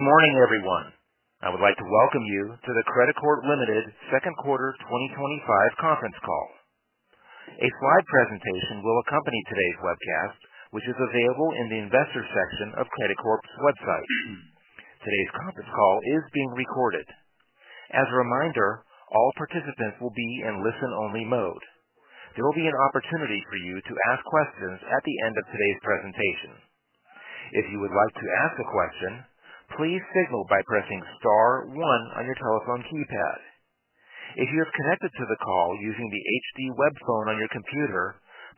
Morning, everyone. I would like to welcome you to the Credicorp Ltd. Second Quarter 2025 Conference Call. A slide presentation will accompany today's webcast, which is available in the Investor section of Credicorp's website. Today's conference call is being recorded. As a reminder, all participants will be in listen-only mode. There will be an opportunity for you to ask questions at the end of today's presentation. If you would like to ask a question, please signal by pressing star one on your telephone keypad. If you have connected to the call using the HD web phone on your computer,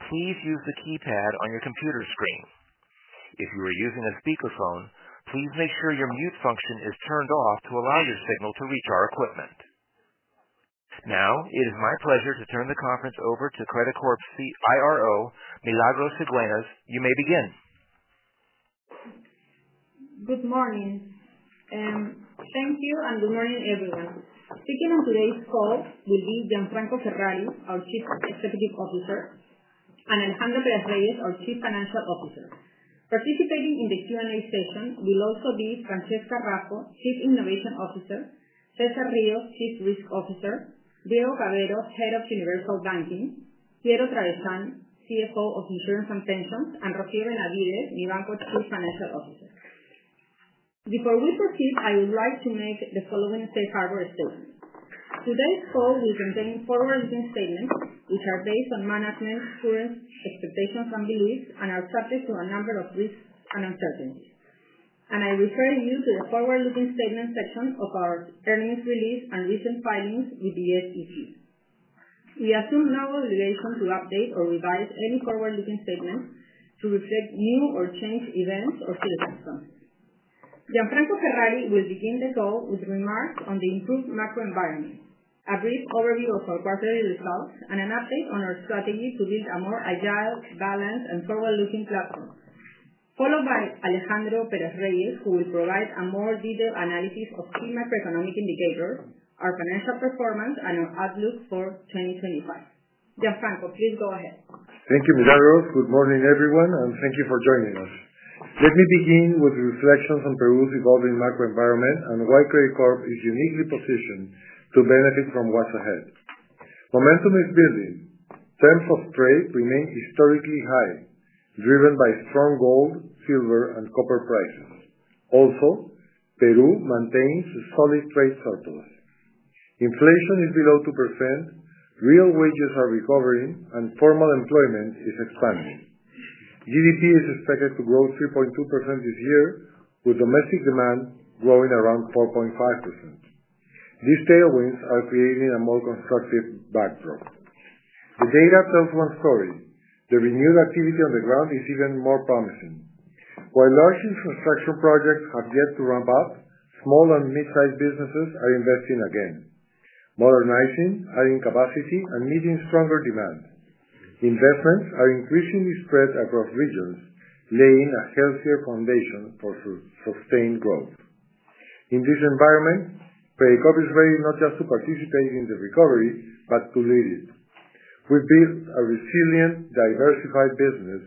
please use the keypad on your computer screen. If you are using a speaker phone, please make sure your mute function is turned off to allow your signal to reach our equipment. Now, it is my pleasure to turn the conference over to Credicorp's Chief Investor Relations Officer, Milagros Cigüeñas. You may begin. Good morning. Thank you and good morning, everyone. Speaking on today's call will be Gianfranco Ferrari, our Chief Executive Officer, and Alejandro Perez-Reyes, our Chief Financial Officer. Participating in the Q&A session will also be Francesca Raffo, Chief Innovation Officer; César Ríos, Chief Risk Officer; Diego Cavero, Head of Universal Banking; Diego Travezan, CFO of Insurance and Pensions; and Rogelio Benavides, New Bank CFO. Before we proceed, I would like to make the following statement very shortly. Today's call will contain forward-looking statements, which are based on management's strengths, expectations, and beliefs, and are subject to a number of risks and uncertainties. I refer you to the forward-looking statement section of our earnings release and recent filings with the SEC. We assume no obligation to update or revise any forward-looking statements to reflect new or changed events or circumstances. Gianfranco Ferrari will begin the call with remarks on the improved macroeconomic environment, a brief overview of our quarterly results, and an update on our strategy to build a more agile, balanced, and forward-looking platform, followed by Alejandro Perez-Reyes, who will provide a more detailed analysis of key macroeconomic indicators, our financial performance, and our outlook for 2025. Gianfranco, please go ahead. Thank you, Milagros. Good morning, everyone, and thank you for joining us. Let me begin with reflections on Peru's evolving macro environment and why Credicorp is uniquely positioned to benefit from what's ahead. Momentum is building. Terms of trade remain historically high, driven by strong gold, silver, and copper prices. Also, Peru maintains a solid trade surplus. Inflation is below 2%, real wages are recovering, and formal employment is expanding. GDP is expected to grow 3.2% this year, with domestic demand growing around 4.5%. These tailwinds are creating a more constructive backdrop. The data tells one story. The renewed activity on the ground is even more promising. While large infrastructure projects have yet to ramp up, small and mid-sized businesses are investing again, modernizing, adding capacity, and meeting stronger demand. Investments are increasingly spread across regions, laying a healthier foundation for sustained growth. In this environment, Credicorp is ready not just to participate in the recovery, but to lead it. We build a resilient, diversified business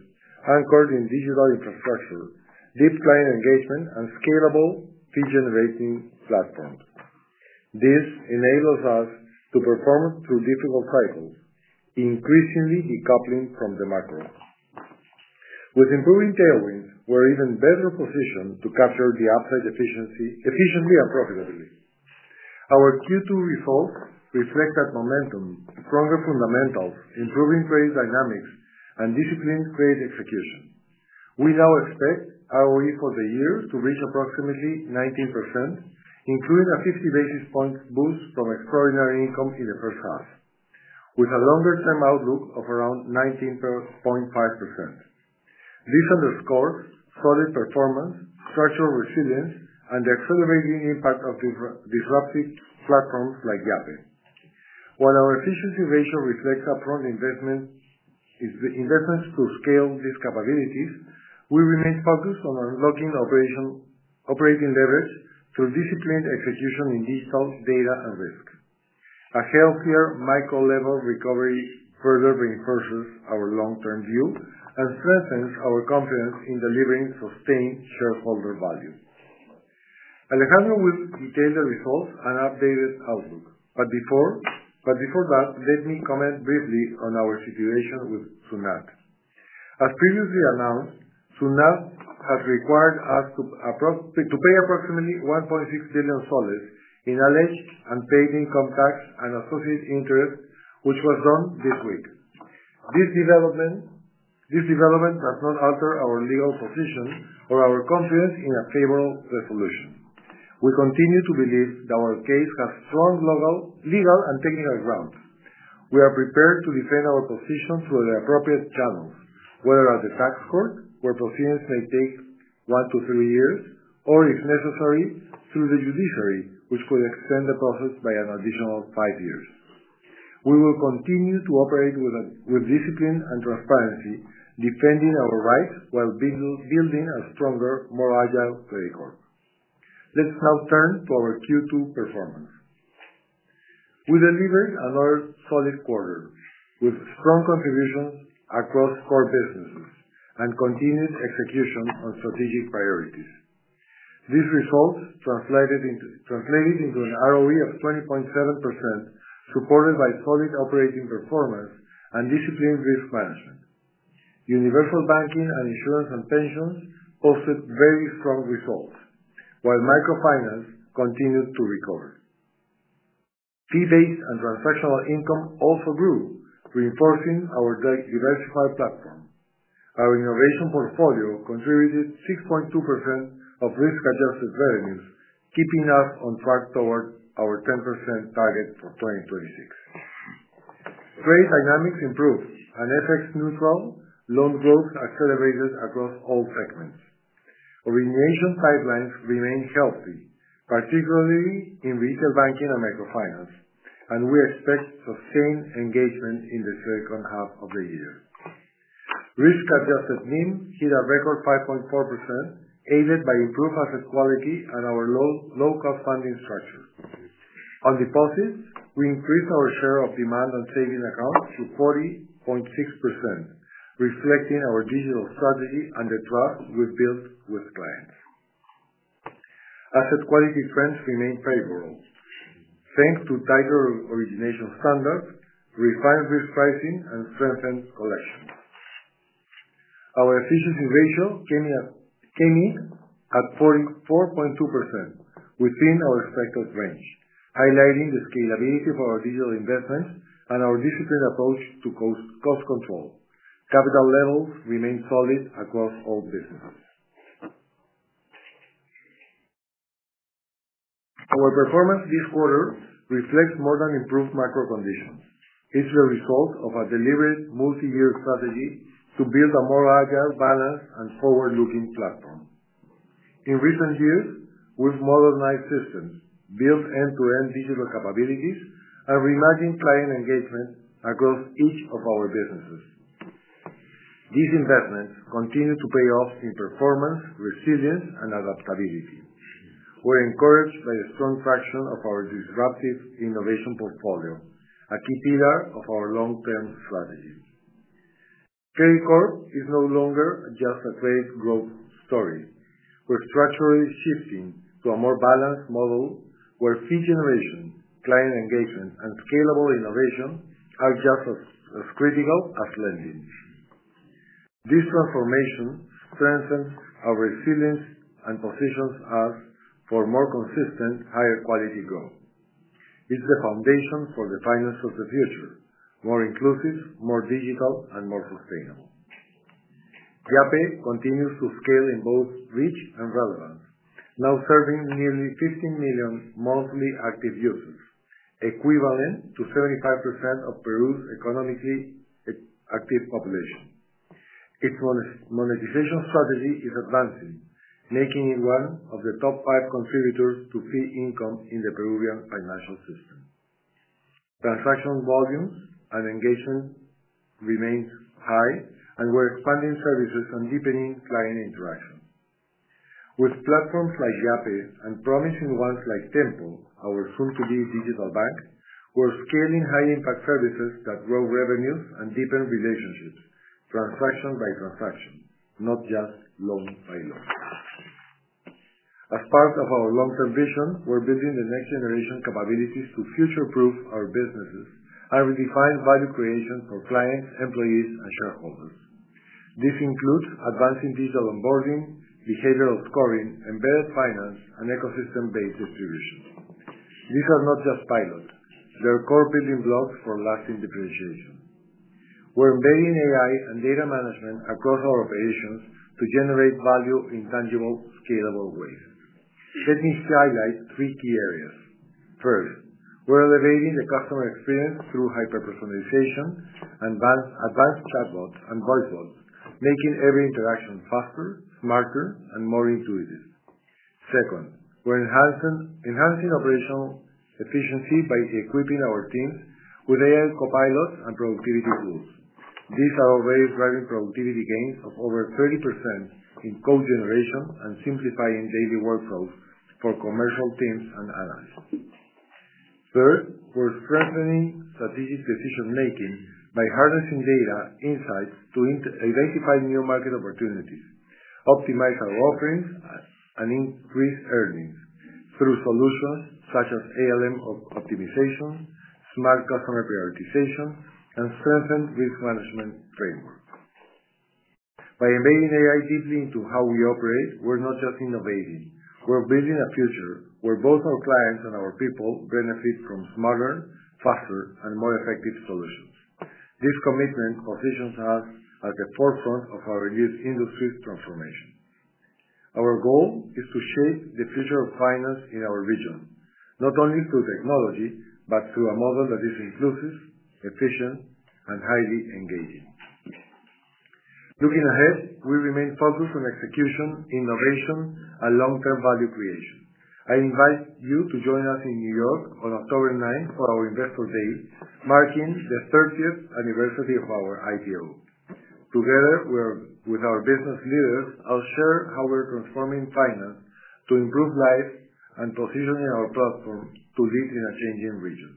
anchored in digital infrastructure, deep client engagement, and scalable fee-generating platforms. This enables us to perform through difficult cycles, increasingly decoupling from the macro. With improving tailwinds, we're even better positioned to capture the upside efficiently and profitably. Our Q2 results reflect that momentum, stronger fundamentals, improving trade dynamics, and disciplined trade execution. We now expect ROE for the year to reach approximately 19%, including a 50 basis point boost from extraordinary income in the first half, with a longer-term outlook of around 19.5%. This underscores solid performance, crucial resilience, and the accelerating impact of disruptive platforms like Yape. While our efficiency ratio reflects upfront investments to scale these capabilities, we remain focused on unlocking operating leverage through disciplined execution in digital, data, and risks. A healthier micro-level recovery further reinforces our long-term view and strengthens our confidence in delivering sustained shareholder value. Alejandro will detail the results and update its outlook. Before that, let me comment briefly on our situation with Sunat. As previously announced, Sunat has required us to pay approximately PEN 1.6 billion in alleged unpaid income tax and associated interest, which was done this week. This development does not alter our legal position or our confidence in a favorable resolution. We continue to believe that our case has strong legal and technical ground. We are prepared to defend our position through the appropriate channels, whether at the tax court, where proceedings may take one to three years, or if necessary, through the judiciary, which could extend the process by an additional five years. We will continue to operate with discipline and transparency, defending our rights while building a stronger, more agile Credicorp. Let's now turn to our Q2 performance. We delivered another solid quarter with strong contributions across core businesses and continued execution on strategic priorities. These results translated into an ROE of 20.7%, supported by solid operating performance and disciplined risk management. Universal Banking and Insurance and Pensions posted very strong results, while Microfinance continued to recover. Key dates and transactional income also grew, reinforcing our diversified platform. Our innovation portfolio contributed 6.2% of risk-adjusted revenues, keeping us on track toward our 10% target for 2026. Trade dynamics improved, and FX neutral loan growth accelerated across all segments. Origination pipelines remain healthy, particularly in Retail Banking and Microfinance, and we expect sustained engagement in the second half of the year. Risk-adjusted NIM hit a record 5.4%, aided by improved asset quality and our low-cost funding structure. On deposits, we increased our share of demand and saving accounts to 40.6%, reflecting our digital strategy and the trust we've built with clients. Asset quality trends remain favorable, thanks to tighter origination standards, refined risk pricing, and strengthened collections. Our efficiency ratio came in at 44.2%, within our expected range, highlighting the scalability of our digital investment and our disciplined approach to cost control. Capital levels remain solid across all businesses. Our performance this quarter reflects more than improved macro conditions. It's the result of a deliberate multi-year strategy to build a more agile, balanced, and forward-looking platform. In recent years, we've modernized systems, built end-to-end digital capabilities, and reimagined client engagement across each of our businesses. These investments continue to pay off in performance, resilience, and adaptability. We're encouraged by a strong traction of our disruptive innovation portfolio, a key pillar of our long-term strategy. Credicorp is no longer just a trade growth story. We're structurally shifting to a more balanced model, where fee generation, client engagement, and scalable innovation are just as critical as lending. This transformation strengthens our resilience and positions us for more consistent, higher-quality growth. It's the foundation for the finance of the future: more inclusive, more digital, and more sustainable. Yape continues to scale in both reach and relevance, now serving nearly 15 million monthly active users, equivalent to 75% of Peru's economically active population. Its monetization strategy is advancing, making it one of the top five contributors to fee income in the Peruvian financial system. Transaction volumes and engagement remain high, and we're expanding services and deepening client interaction. With platforms like Yape and promising ones like Tempo, our soon-to-be digital bank, we're scaling high-impact services that grow revenues and deepen relationships, transaction by transaction, not just loan by loan. As part of our long-term vision, we're building the next-generation capabilities to future-proof our businesses and redefine value creation for clients, employees, and shareholders. This includes advancing digital onboarding, behavioral scoring, embedded finance, and ecosystem-based activities. These are not just pilots; they're core building blocks for lasting differentiation. We're embedding AI and data management across our operations to generate value in tangible, scalable ways. Let me highlight three key areas. First, we're elevating the customer experience through hyper-personalization, advanced chatbots, and voice bots, making every interaction faster, smarter, and more intuitive. Second, we're enhancing operational efficiency by equipping our team with AI copilots and productivity tools. These are already driving productivity gains of over 30% in code generation and simplifying daily workflows for commercial teams and allies. Third, we're strengthening strategic decision-making by harnessing data insights to identify new market opportunities, optimize our offerings, and increase earnings through solutions such as ALM optimization, smart customer prioritization, and strengthened risk management framework. By embedding AI deeply into how we operate, we're not just innovating, we're building a future where both our clients and our people benefit from smarter, faster, and more effective solutions. This commitment positions us at the forefront of our industry's transformation. Our goal is to shape the future of finance in our region, not only through technology, but through a model that is inclusive, efficient, and highly engaging. Looking ahead, we remain focused on execution, innovation, and long-term value creation. I invite you to join us in New York on October 9th for our Investor Day, marking the 30th anniversary of our IPO. Together with our business leaders, I'll share how we're transforming finance to improve lives and positioning our platform to lead in a changing region.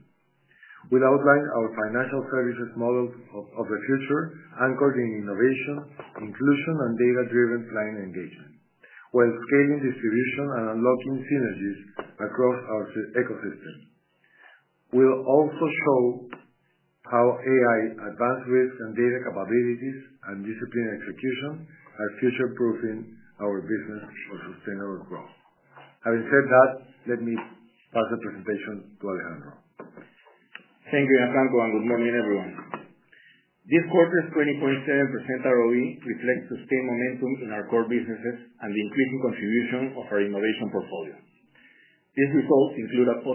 We'll outline our financial services model of the future, anchored in innovation, inclusion, and data-driven client engagement, while scaling distribution and unlocking synergies across our ecosystem. We'll also show how AI, advanced risk and data capabilities, and disciplined execution are future-proofing our business for sustainable growth. Having said that, let me pass the presentation to Alejandro. Thank you, Gianfranco, and good morning, everyone. This quarter's 20.7% ROE reflects sustained momentum in our core businesses and the increasing contribution of our innovation portfolio. These results include a +120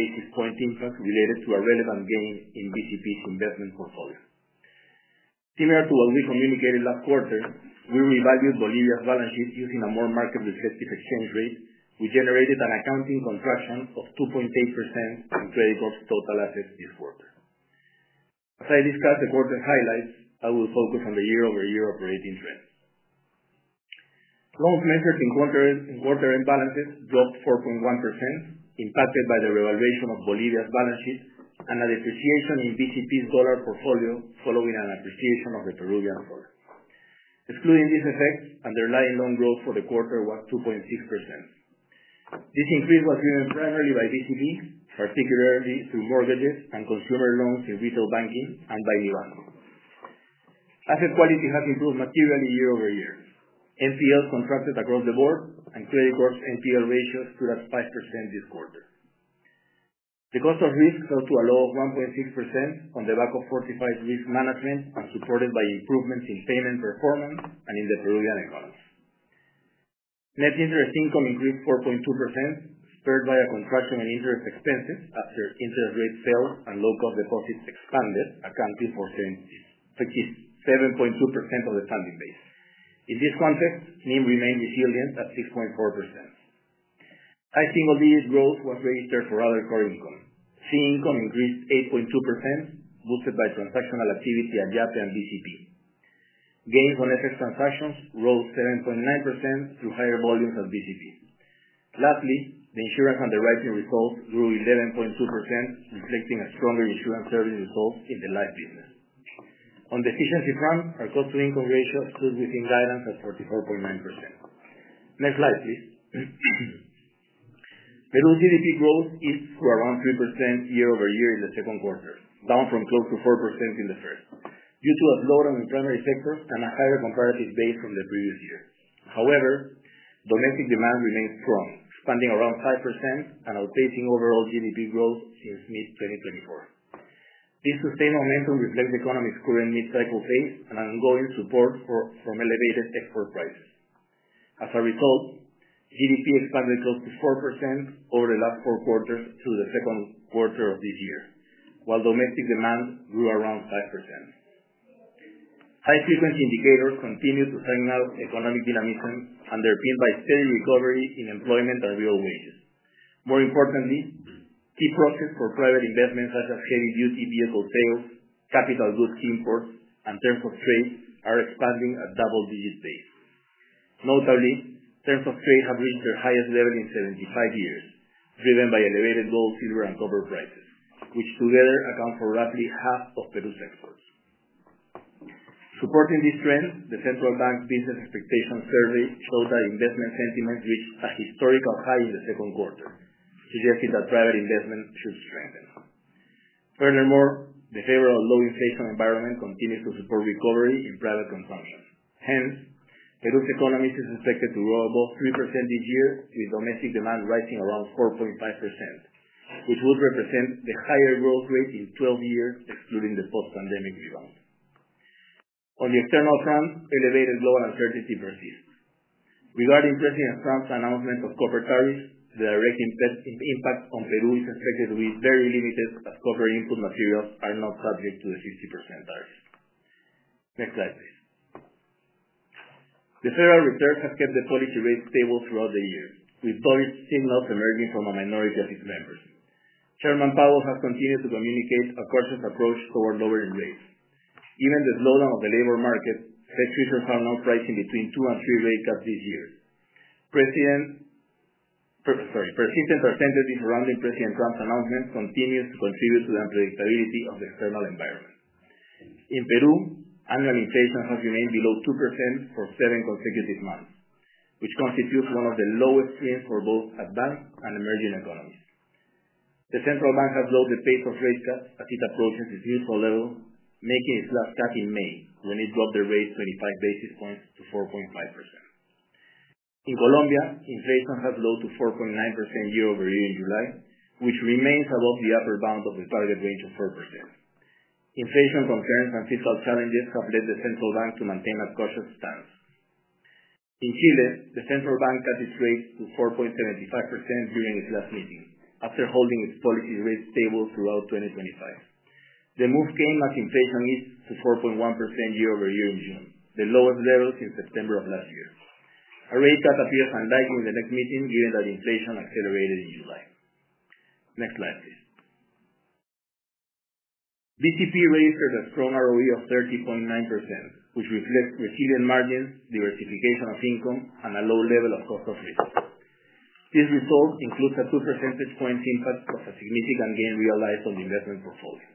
basis point impact related to a relevant gain in BCP's investment portfolio. Similar to what we communicated last quarter, we reevaluated Bolivia's balance sheet using a more market-reflective exchange rate, which generated an accounting contraction of 2.8% in Credicorp's total assets this quarter. As I discuss the quarter's highlights, I will focus on the year-over-year operating trends. Loans measured in quarter-end balances dropped 4.1%, impacted by the reevaluation of Bolivia's balance sheet and a depreciation in BCP's dollar portfolio, swallowing an appreciation of the Peruvian soles. Excluding these effects, underlying loan growth for the quarter was 2.6%. This increase was driven primarily by BCP, particularly through mortgages and consumer loans in retail banking and by Mibanco. Asset quality has improved materially year-over-year. NPLs contracted across the board, and Credicorp's NPL ratios stood at 5% this quarter. The cost of risk fell to a low of 1.6% on the back of fortified risk management and supported by improvements in payment performance and in the Peruvian economy. Net interest income increased 4.2%, spurred by a contraction in interest expenses after interest rates fell and low-cost deposits expanded at 24.7%, which is 7.2% of the funding base. In this context, NIM remained resilient at 6.4%. Stimulated growth was registered for other core income. Fee income increased 8.2%, boosted by transactional activity at Yape and BCP. Gains on FX transactions rose 7.9% through higher volumes on BCP. Lastly, the insurance underwriting result grew 11.2%, reflecting a stronger insurance service result in the last quarter. On the efficiency front, our cost-to-income ratio stood within guidance at 44.9%. Next slide, please. Peru's GDP growth is around 3% year-over-year in the second quarter, down from close to 4% in the first, due to a slowdown in primary sectors and a higher comparative base from the previous year. However, domestic demand remains strong, spending around 5% and outpacing overall GDP growth since mid-2024. This sustained momentum reflects the economy's current mid-cycle phase and ongoing support from elevated export prices. As a result, GDP expanded close to 4% over the last four quarters to the second quarter of this year, while domestic demand grew around 5%. High-frequency indicators continue to signal economic dynamism and are pinned by steady recovery in employment and real wages. More importantly, key profits for private investments such as heavy-duty vehicle sales, capital goods imports, and terms of trade are expanding at double-digit pace. Notably, terms of trade have reached their highest level in 75 years, driven by elevated gold, silver, and copper prices, which together account for roughly half of Peru's exports. Supporting this trend, the Central Bank Business Expectation Survey showed that investment sentiment reached a historical high in the second quarter, suggesting that private investments should strengthen them. Furthermore, the favorable low-inflation environment continues to support recovery in private consumption. Hence, Peru's economy is expected to grow above 3% this year, with domestic demand rising around 4.5%, which would represent the higher growth rate in 12 years, excluding the post-pandemic rebound. On the external front, elevated loan uncertainty persists. Regarding President Trump's announcement of copper tariffs, the direct impact on Peru is expected to be very limited as copper input materials are not subject to the 50% tariffs. Next slide, please. The Federal Reserve has kept the policy rate stable throughout the year, with toll rates seamlessly emerging from a minority of its members. Chairman Powell has continued to communicate a cautious approach toward lowering rates. Even the slowdown of the labor market has seen the Federal Reserve now pricing between two and three rate cuts this year. Present percentages surrounding President Trump's announcement continue to contribute to the unpredictability of the external environment. In Peru, unknown inflation has remained below 2% for seven consecutive months, which constitutes one of the lowest years for both advanced and emerging economies. The Central Bank has lowered the pace of rate cuts at its approaches to its usual level, making its last cut in May, when it dropped the rates 25 basis points to 4.5%. In Colombia, inflation has lowered to 4.9% year-over-year in July, which remains above the upper bound of the target range of 4%. Inflation concerns and fiscal challenges have led the Central Bank to maintain a cautious stance. In Chile, the Central Bank cut its rates to 4.75% during its last meeting, after holding its policy rates stable throughout 2023. The move came as inflation reached 4.1% year-over-year in June, the lowest level since September of last year. A rate cut appears unlikely in the next meeting, given that inflation accelerated in July. Next slide, please. BTP registers a strong ROE of 30.9%, which reflects resilient margins, diversification of income, and a low level of cost of labor. This result includes a good percentage point impact of a significant gain realized on the investment portfolio.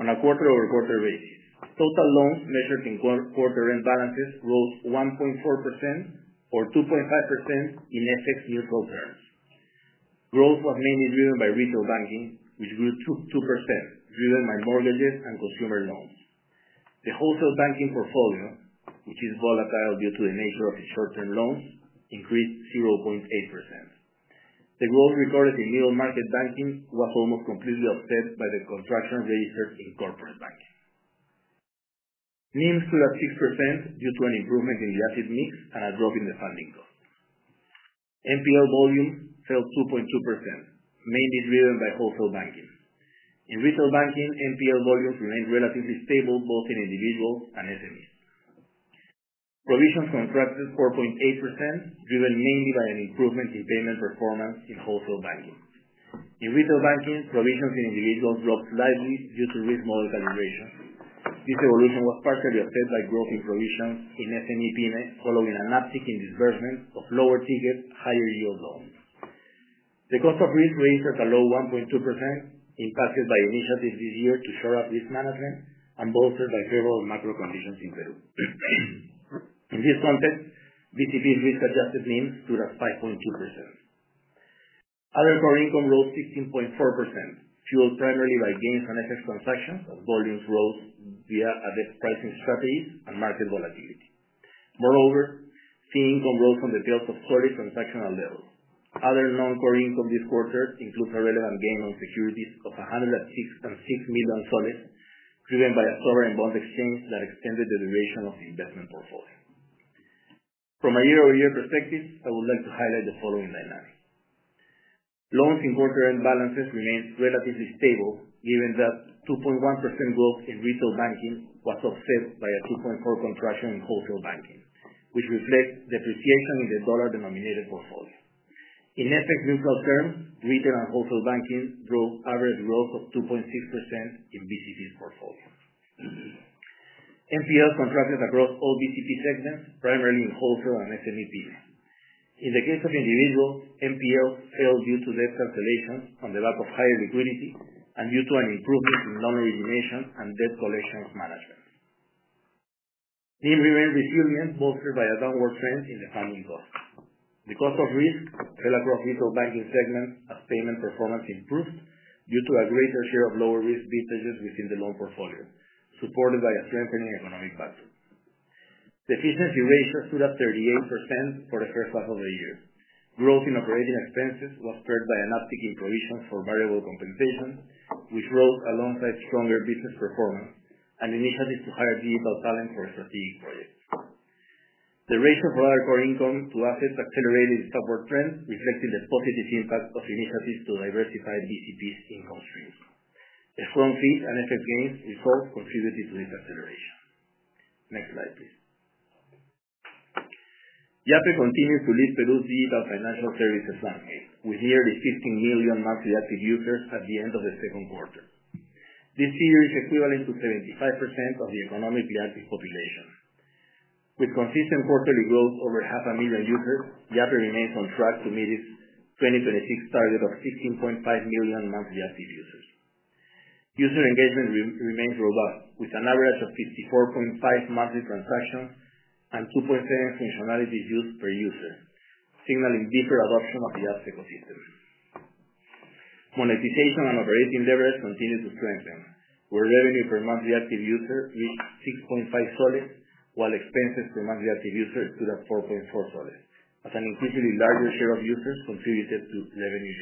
On a quarter-over-quarter basis, total loans measured in quarter-end balances rose 1.4% or 2.5% in FX year comparisons. Growth was mainly driven by retail banking, which grew 2%, driven by mortgages and consumer loans. The wholesale banking portfolio, which is volatile due to the nature of its short-term loans, increased 0.8%. The growth recorded in middle-market banking was almost completely offset by the contraction rates in corporate banking. NIM slid at 6% due to an improvement in the asset mix and a drop in the funding cost. NPL volumes fell 2.2%, mainly driven by wholesale banking. In retail banking, NPL volumes remain relatively stable both in individual and SME. Provisions contract 4.8%, driven mainly by an improvement in payment performance in wholesale banking. In retail banking, provisions in individuals dropped slightly due to risk model calibration. This evolution was partially offset by growth in provisions in SME PMEs, following a night in disbursement of lower tickets, higher yield loans. The cost of risk reached a low 1.2%, impacted by initiatives this year to shore up risk management and bolstered by favorable macro conditions in Peru. In this context, BTP's risk-adjusted NIM stood at 5.2%. Other core income rose 16.4%, fueled primarily by gains on FX transactions as volumes rose via advanced pricing strategies and market volatility. Moreover, fee income rose on the tail of 40 transactional levels. Other non-core income this quarter includes a relevant gain on securities of PEN 106 million, driven by a sovereign bond exchange that extended the duration of the investment portfolio. From a year-over-year perspective, I would like to highlight the following dynamics. Loans in quarter-end balances remain relatively stable, given that 2.1% growth in retail banking was offset by a 2.4% contraction in wholesale banking, which reflects depreciation in the dollar-denominated portfolio. In FX retail terms, retail and wholesale banking drove average growth of 2.6% in BCP's portfolio. NPL contracts across all BCP segments, primarily in wholesale and SME PMEs. In the case of individual, NPLs fell due to less calculations on the back of higher liquidity and due to an improvement in loan origination and debt collection management. NIM remained resilient, bolstered by a downward trend in the funding cost. The cost of risk fell across retail banking segments as payment performance improved due to a greater share of lower risk betas within the loan portfolio, supported by a strengthening economic factor. The business erasure stood at 38% for the first half of the year. Growth in operating expenses was spurred by an uptick in provisions for variable compensation, which rose alongside stronger business performance and initiatives to hire digital talent for strategic projects. The ratio of our core income to assets accelerated in upward trends, reflecting the positive impact of initiatives to diversify BCP's income streams. The strong fees and FX gains in core contributed to this acceleration. Next slide, please. Yape continues to lead Peru's digital financial services market, with nearly 15 million monthly active users at the end of the second quarter. This figure is equivalent to 75% of the economically active population. With consistent quarterly growth of over half a million users, Yape remains on track to meet its 2026 target of 16.5 million monthly active users. User engagement remains robust, with an average of 54.5 monthly transactions and 2.7 functionalities used per user, signaling deeper adoption of the app's ecosystem. Monetization and operating leverage continue to strengthen, where revenue per monthly active user is PEN 6.5, while expenses per monthly active user stood at PEN 4.4, as an increasingly larger share of users contributed to revenue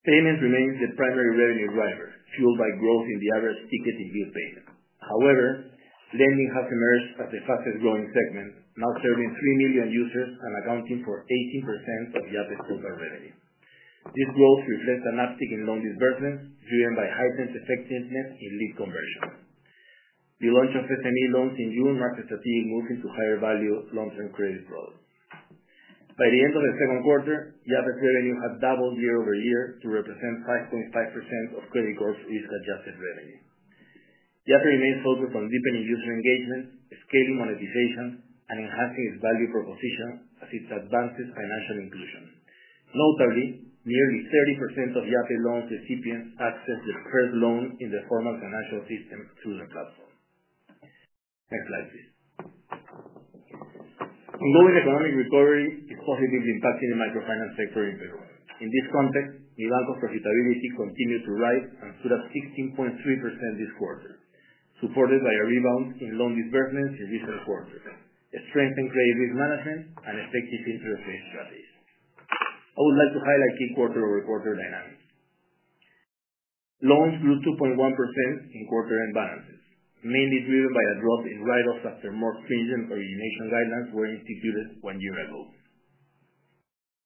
generation. Payments remain the primary revenue driver, fueled by growth in the average ticketed bill payment. However, lending has emerged as the fastest growing segment, now serving 3 million users and accounting for 18% of the app's total revenue. This growth reflects an uptick in loan disbursement, driven by hybrid effectiveness in lead conversion. The launch of SME loans in new markets has seen it move into higher-value long-term credit flows. By the end of the second quarter, the app's revenue had doubled year-over-year to represent 5.5% of Credicorp's risk-adjusted revenue. Yape remains focused on deepening user engagement, scaling monetization, and enhancing its value proposition as it advances financial inclusion. Notably, nearly 30% of Yape loan recipients access the preferred loan in the form of financial assistance through their platform. Next slide, please. Involving economic recovery, it positively impacts the microfinance sector in Peru. In this context, the bank's profitability continues to rise and stood at 16.3% this quarter, supported by a rebound in loan disbursements in recent quarters, a strength in credit risk management, and effective interest rate strategies. I would like to highlight key quarter-over-quarter dynamics. Loans grew 2.1% in quarter-end balances, mainly driven by a drop in write-offs after more stringent origination guidelines were instituted one year ago.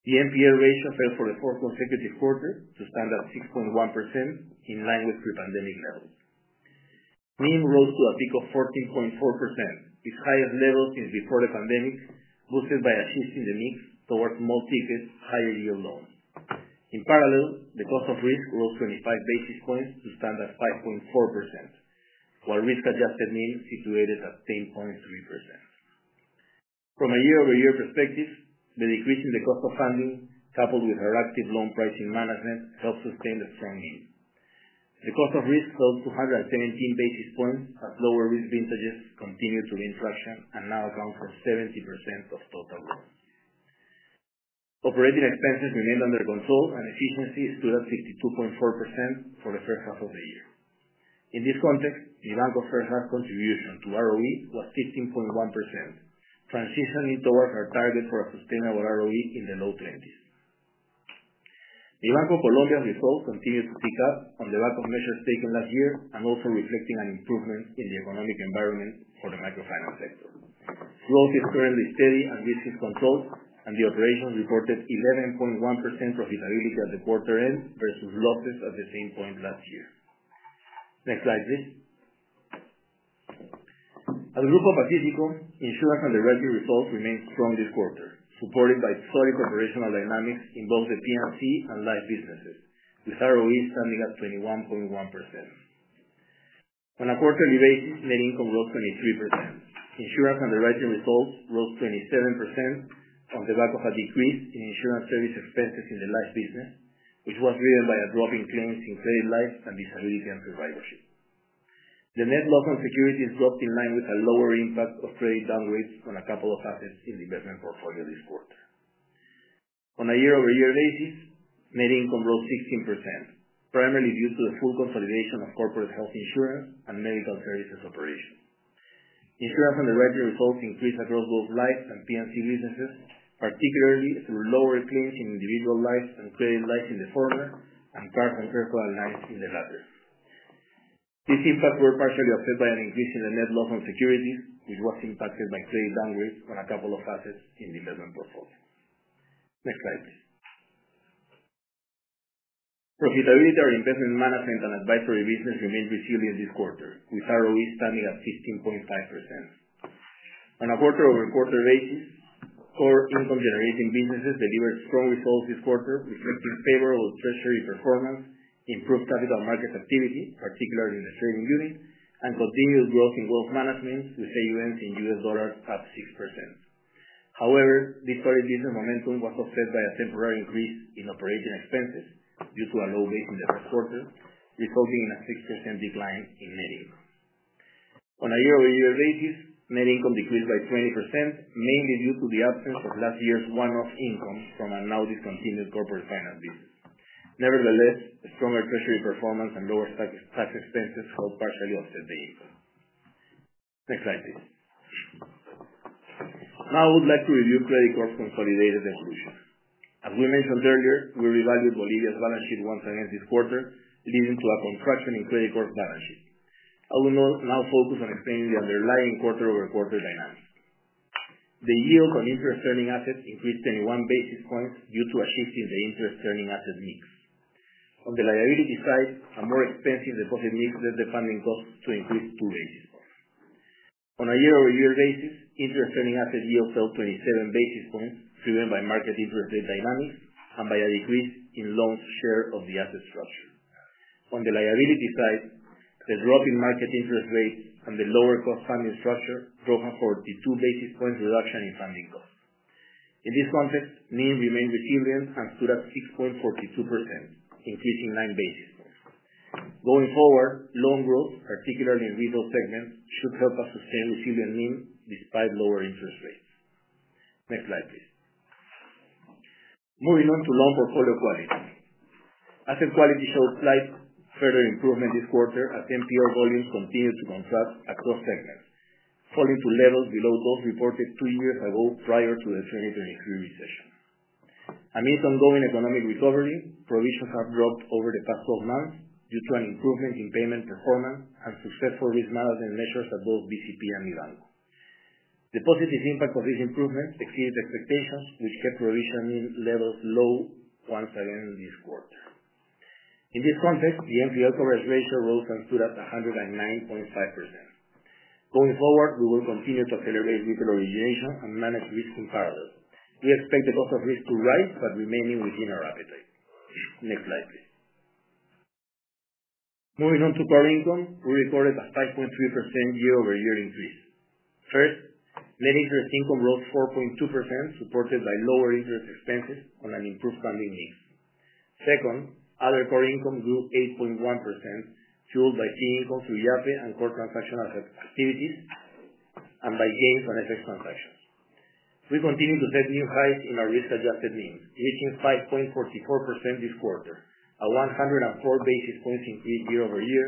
The NPL ratio fell for the fourth consecutive quarter to stand at 6.1%, in line with pre-pandemic levels. NIM rose to a peak of 14.4%, its highest level since before the pandemic, boosted by a shift in the mix towards more tickets, higher yield loans. In parallel, the cost of risk rose 25 basis points to stand at 5.4%, while risk-adjusted NIM situated at 10.3%. From a year-over-year perspective, the decrease in the cost of funding, coupled with proactive loan pricing management, helps sustain the strong NIM. The cost of risk fell 217 basis points as lower risk betas continued to inflection and now account for 70% of total growth. Operating expenses remain under control, and efficiency stood at 62.4% for the first half of the year. In this context, the bank's first half contribution to ROE was 15.1%, transitioning towards our target for a sustainable ROE in the low 20s. The Bank of Colombia's result continues to pick up on the back of measures taken last year and also reflecting an improvement in the economic environment for the microfinance sector. Growth is currently steady and risk is controlled, and the operations reported 11.1% profitability at the quarter end versus losses at the same point last year. Next slide, please. At the Grupo Pacífico Seguros, insurance and the underwriting results remain strong this quarter, supported by solid operational dynamics in both the PMC and life businesses, with ROE standing at 21.1%. On a quarterly basis, net income growth 23%. Insurance underwriting results rose 27% on the back of a decrease in insurance service expenses in the life business, which was driven by a drop in claims in credit life and disability and survivorship. The net loss on securities dropped in line with a lower impact of credit downgrades on a couple of assets in the investment portfolio this quarter. On a year-over-year basis, net income rose 16%, primarily due to the full consolidation of corporate health insurance and medical services operations. Insurance underwriting results increase across both life and PMC businesses, particularly through lower claims in individual life and credit life in the former and car and car life in the latter. These impacts were partially offset by an increase in the net loss on securities, which was impacted by credit downgrades on a couple of assets in the investment portfolio. Next slide, please. Profitability or investment management and advisory business remained resilient this quarter, with ROE standing at 15.5%. On a quarter-over-quarter basis, core income-generating businesses delivered strong results this quarter, reflecting favorable treasury performance, improved capital market activity, particularly in the trading unit, and continued growth in wealth management with savings in U.S. dollars at 6%. However, deep credit leasing momentum was offset by a temporary increase in operating expenses due to a low rate in the first quarter, resulting in a 6% decline in net income. On a year-over-year basis, net income decreased by 20%, mainly due to the absence of last year's one-off income from a now discontinued corporate finance business. Nevertheless, stronger treasury performance and lower tax expenses help partially offset the income. Next slide, please. Now I would like to review Credicorp's consolidated evolution. As we mentioned earlier, we reevaluated Bolivia's balance sheet once again this quarter, leading to a contraction in Credicorp's balance sheet. I will now focus on explaining the underlying quarter-over-quarter dynamics. The yield on interest-earning assets increased 21 basis points due to a shift in the interest-earning asset mix. On the liability side, a more expensive deposit mix led the funding costs to increase two basis points. On a year-over-year basis, interest-earning asset yield fell 27 basis points, driven by market interest rate dynamics and by a decrease in loans' share of the asset structure. On the liability side, the drop in market interest rates and the lower cost funding structure drove a 42 basis point reduction in funding costs. In this context, NIM remained resilient and stood at 6.42%, increasing nine basis points. Going forward, loan growth, particularly in retail segments, should help us sustain resilient NIM despite lower interest rates. Next slide, please. Moving on to loan portfolio quality. Asset quality felt like further improvement this quarter as NPL volume continued to contract across segments, falling to levels below those reported two years ago prior to the 2017 recession. Amidst ongoing economic recovery, provisions have dropped over the past 12 months due to an improvement in payment performance and successful risk management measures at both BCP and Mibanco. The positive impact of this improvement exceeded expectations, which kept provisioning levels low once again this quarter. In this context, the NPL coverage rate rose and stood at 109.5%. Going forward, we will continue to accelerate retail origination and manage risk comparables. We expect the cost of risk to rise but remaining within our appetite. Next slide, please. Moving on to core income, we recorded a 5.3% year-over-year increase. First, net interest income rose 4.2%, supported by lower interest expenses on an improved funding mix. Second, other core income grew 8.1%, fueled by fee income through Yape and core transactional activities and by gains on FX transactions. We continue to set new highs in our risk-adjusted NIM, reaching 5.44% this quarter, a 104 basis points increase year-over-year,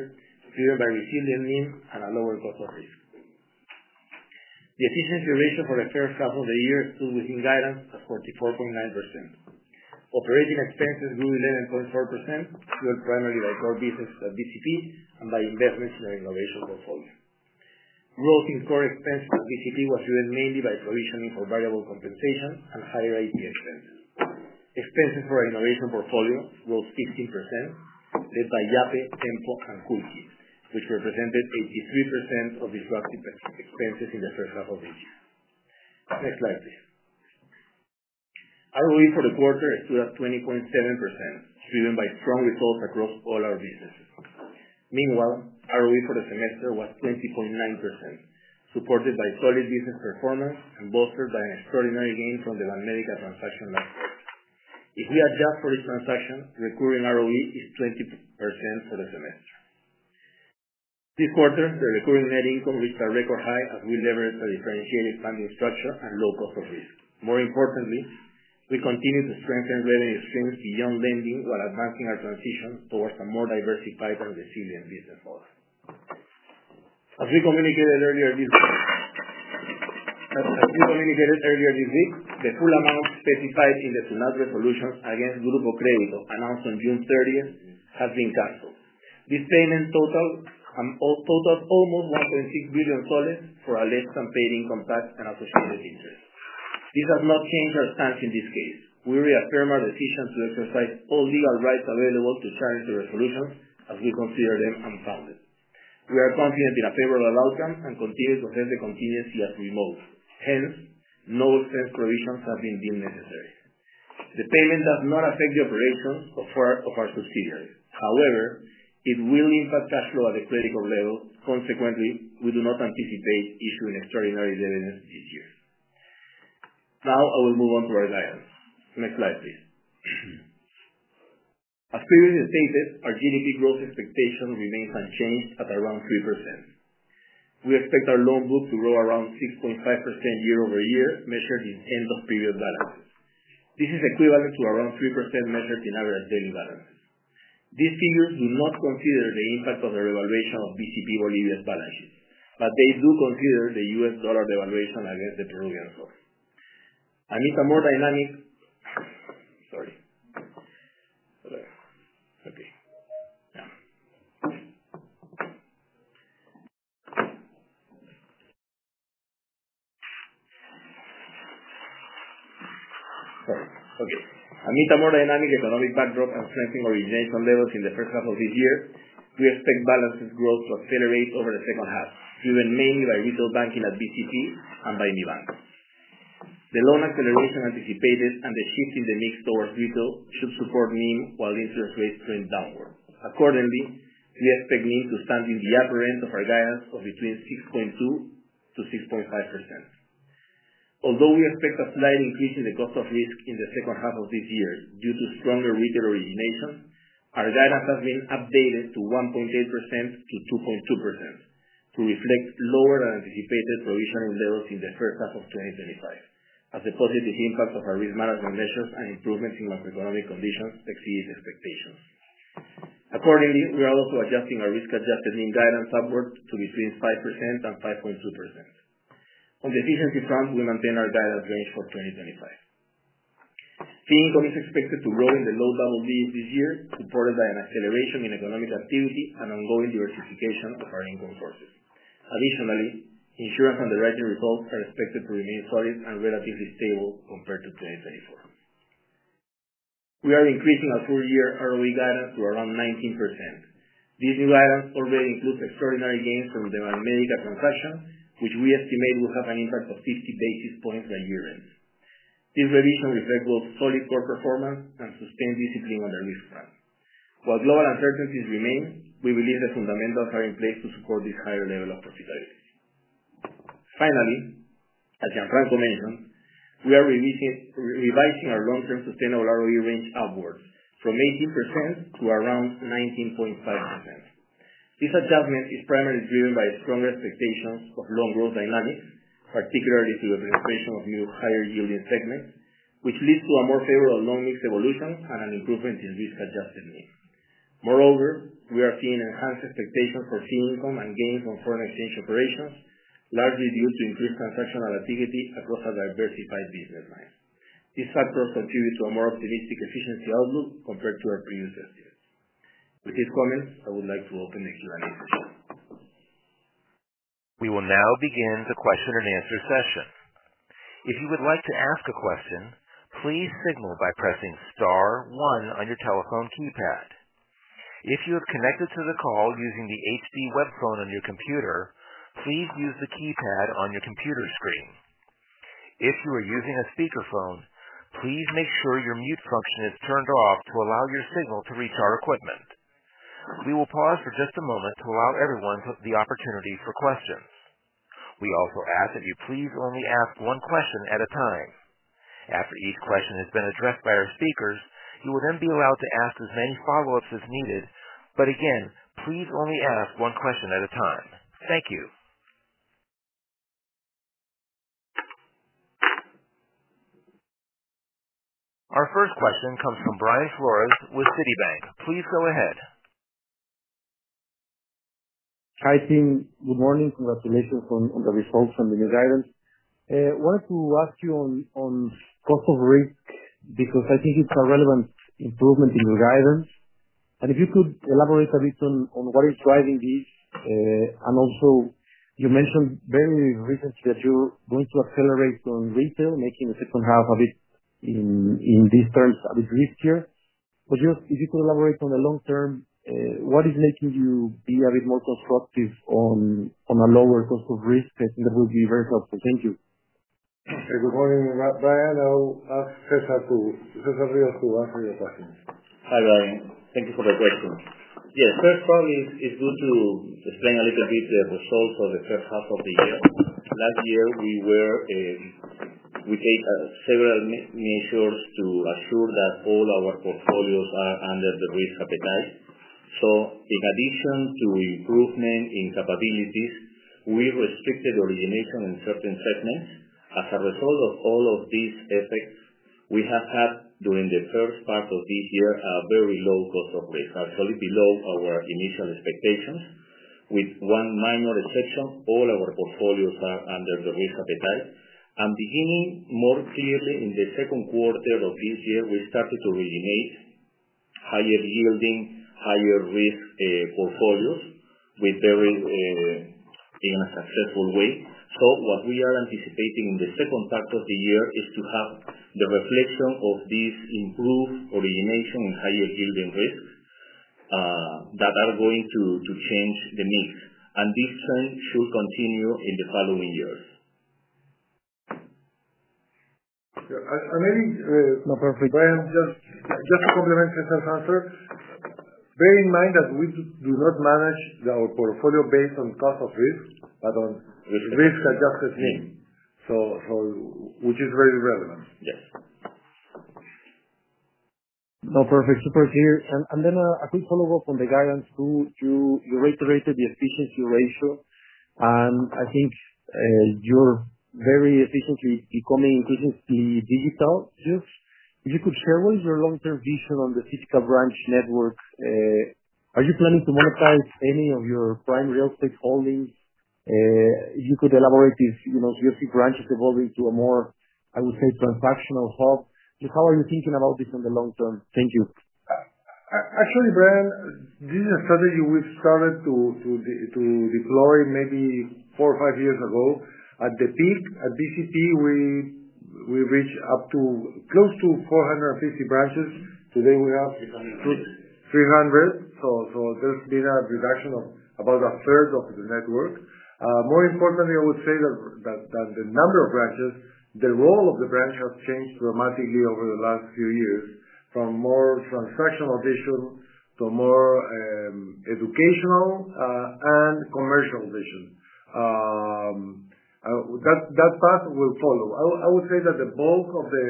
fueled by resilient NIM and a lower cost of risk. The efficiency ratio for the first half of the year stood within guidance at 44.9%. Operating expenses grew 11.4%, fueled primarily by core businesses at BCP and by investments in our innovation portfolio. Growth in core expense at BCP was driven mainly by provisioning for variable compensation and higher IT expenses. Expenses for our innovation portfolio rose 15%, led by Yape, Tempo, and CoolCube, which represented 83% of disruptive expenses in the first half of the year. Next slide, please. ROE for the quarter stood at 20.7%, driven by strong results across all our businesses. Meanwhile, ROE for the semester was 20.9%, supported by solid business performance and bolstered by an extraordinary gain from the Banmédica transaction last year. If you adjust for each transaction, the recurring ROE is 20% for the semester. This quarter, the recurring net income reached a record high as we leveraged a differentiated funding structure and low cost of risk. More importantly, we continue to strengthen revenue streams beyond lending while advancing our transitions towards a more diversified and resilient business model. As we communicated earlier this week, the full amount specified in the Sunat resolution against Grupo Crédito announced on June 30 has been canceled. This payment totals almost PEN 1.6 billion for alleged unpaid income tax and other security interest. This has not changed our stance in this case. We reaffirm our decision to exercise all legal rights available to current resolutions as we consider them unfounded. We are confident in a favorable outcome and continue to have the contingency as we most. Hence, no expense provisions have been deemed necessary. The payment does not affect the operations of our custodaries. However, it will impact cash flow at the Credicorp level. Consequently, we do not anticipate issuing extraordinary revenues this year. Now, I will move on to our guidance. Next slide, please. As previously stated, our GDP growth expectation remains unchanged at around 3%. We expect our loan book to grow around 6.5% year-over-year, measured in end-of-period balances. This is equivalent to around 3% measured in average daily balances. These figures do not consider the impact of the revaluation of BCP Bolivia's balance sheet, but they do consider the U.S. dollar devaluation against the Peruvian soles. Amidst a more dynamic economic backdrop and strengthening origination levels in the first half of this year, we expect balances growth to accelerate over the second half, driven mainly by retail banking at BCP and by Mibanco. The loan acceleration anticipated and the shift in the mix towards retail should support NIM while interest rates trend down. Accordingly, we expect NIM to stand in the upper end of our guidance of between 6.2%-6.5%. Although we expect a slight increase in the cost of risk in the second half of this year due to stronger retail originations, our guidance has been updated to 1.8%-2.2% to reflect lower than anticipated provisioning levels in the first half of 2025, as the positive impact of our risk management measures and improvements in macroeconomic conditions exceed expectations. Accordingly, we are also adjusting our risk-adjusted NIM guidance upwards to between 5% and 5.2%. On the efficiency front, we maintain our guidance range for 2025. Fee income is expected to grow in the low double digits this year, supported by an acceleration in economic activity and ongoing diversification of our income sources. Additionally, insurance underwriting results are expected to remain solid and relatively stable compared to 2024. We are increasing our four-year ROE guidance to around 19%. This new guidance already includes extraordinary gains from the Banmédica transaction, which we estimate will have an impact of 50 basis points by year end. This revision reflects both solid core performance and sustained discipline on the risk side. While global uncertainties remain, we believe the fundamentals are in place to support this higher level of profitability. Finally, as Gianfranco Ferrari mentioned, we are revising our long-term sustainable ROE range upwards from 18% to around 19.5%. This adjustment is primarily driven by stronger expectations of loan growth dynamics, particularly through the penetration of higher yielding segments, which leads to a more favorable loan mix evolution and an improvement in risk-adjusted NIM. Moreover, we are seeing enhanced expectations for fee income and gains on foreign exchange operations, largely due to increased transactional activity across a diversified business line. This factor contributes to a more optimistic efficiency outlook compared to our previous estimates. With these comments, I would like to open the Q&A. We will now begin the question-and-answer session. If you would like to ask a question, please signal by pressing star one on your telephone keypad. If you have connected to the call using the HD web phone on your computer, please use the keypad on your computer screen. If you are using a speaker phone, please make sure your mute function is turned off to allow your signal to reach our equipment. We will pause for just a moment to allow everyone the opportunity for questions. We also ask that you please only ask one question at a time. After each question has been addressed by our speakers, you will then be allowed to ask as many follow-ups as needed, but again, please only ask one question at a time. Thank you. Our first question comes from Brian Flores with Citibank. Please go ahead. Hi, team. Good morning. Congratulations on the results and the new guidance. I wanted to ask you on cost of risk because I think it's a relevant improvement in your guidance. If you could elaborate a bit on what is driving this, and also you mentioned very recently that you're going to accelerate on retail, making the second half a bit in these terms a bit riskier. If you could elaborate on the long term, what is making you be a bit more constructive on a lower cost of risk? I think that would be very helpful. Thank you. Okay. Good morning, Brian. I'll ask first how. Hi, Brian. Thank you for the question. Yeah, first one is good to explain a little bit the results of the first half of the year. Last year, we were in... We take several measures to assure that all our portfolios are under the risk appetite. In addition to improvement in capability, we restricted origination on certain segments. As a result of all of these effects, we have had during the first half of this year a very low cost of risk, absolutely low our initial expectations. With one minor exception, all our portfolios are under the risk appetite. Beginning more clearly in the second quarter of this year, we started to originate higher yielding, higher risk portfolios in a very successful way. What we are anticipating in the second part of the year is to have the reflection of these improved origination and higher yielding risks that are going to change the mix. This form should continue in the following years. Yeah. Maybe, Alejando, Brian, just to complement Alejandro's answer, bear in mind that we do not manage our portfolio based on cost of risk, but on risk-adjusted NIM, which is very relevant. Yes. No, perfect. Super clear. A quick follow-up on the guidance. You reiterated the efficiency ratio, and I think you're very efficiently becoming efficient in digital use. If you could share what is your long-term vision on the branch networks, are you planning to monetize any of your prime real estate holdings? If you could elaborate this, you know, if you see branches evolving to a more, I would say, transactional hub. How are you thinking about this in the long term? Thank you. Actually, Brian, this is a strategy we've started to deploy maybe four or five years ago. At the peak, at BCP, we reached up to close to 450 branches. Today, we have 300. There's been a reduction of about 1/3 of the network. More importantly, I would say that the number of branches, the role of the branch has changed dramatically over the last few years, from more transactional vision to more educational and commercial vision. That path will follow. I would say that the bulk of the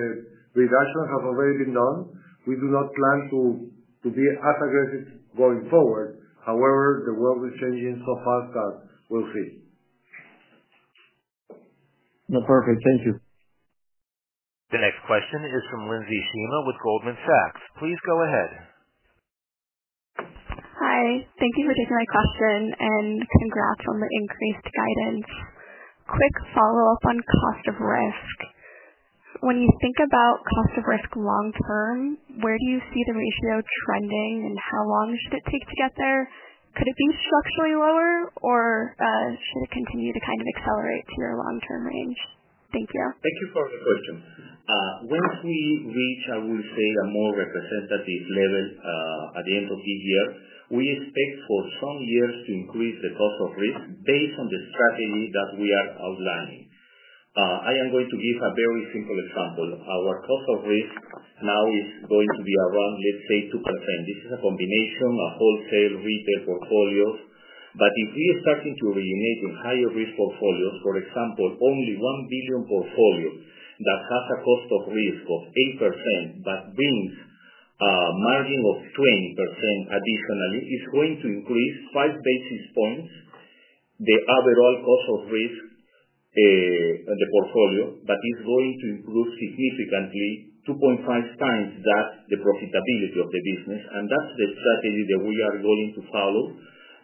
reduction has already been done. We do not plan to be as aggressive going forward. However, the world is changing so fast that we'll see. No, perfect. Thank you. The next question is from Lindsey Shema with Goldman Sachs. Please go ahead. Hi. Thank you for taking my question and congrats on the increased guidance. Quick follow-up on cost of risk. When you think about cost of risk long term, where do you see the ratio trending and how long does it take to get there? Could it be structurally lower or should it continue to kind of accelerate to your long-term range? Thank you. Thank you for the question. Once we reach, I would say, a more representative level at the end of this year, we expect for some years to increase the cost of risk based on the strategy that we are outlining. I am going to give a very simple example. Our cost of risk now is going to be around, let's say, 2%. This is a combination of wholesale, retail portfolios. If we are starting to reunite with higher risk portfolios, for example, only $1 billion portfolios that have a cost of risk of 8%, that brings a margin of 20% additionally, it is going to increase five basis points the overall cost of risk on the portfolio, but it is going to improve significantly, 2.5x the profitability of the business. That is the strategy that we are going to follow.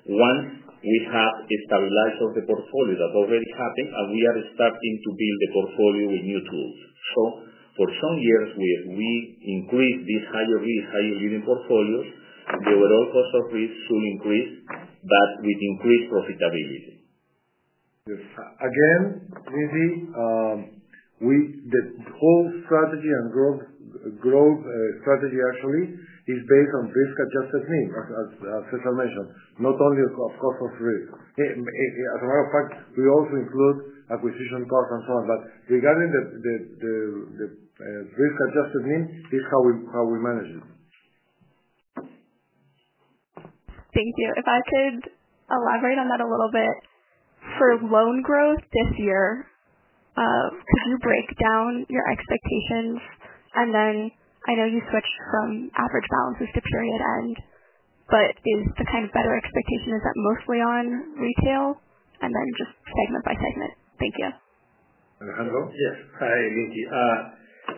Once we have a stabilization of the portfolio that already happened, we are starting to build the portfolio with new tools. For some years, we increase these higher risk, higher yielding portfolios. The overall cost of risk should increase, but with increased profitability. Yes. Again, Lindsey, the whole strategy and growth strategy actually is based on risk-adjusted NIM, as César mentioned, not only a cost of risk. As a matter of fact, we also include acquisition costs and so on. Regarding the risk-adjusted NIM, this is how we manage it. Thank you. If I could elaborate on that a little bit, for loan growth this year, did you break down your expectations? I know you switched from average balances to period end, but is the kind of better expectation, is that mostly on retail and then just segment by segment? Thank you. Alejandro? Yes. Hi,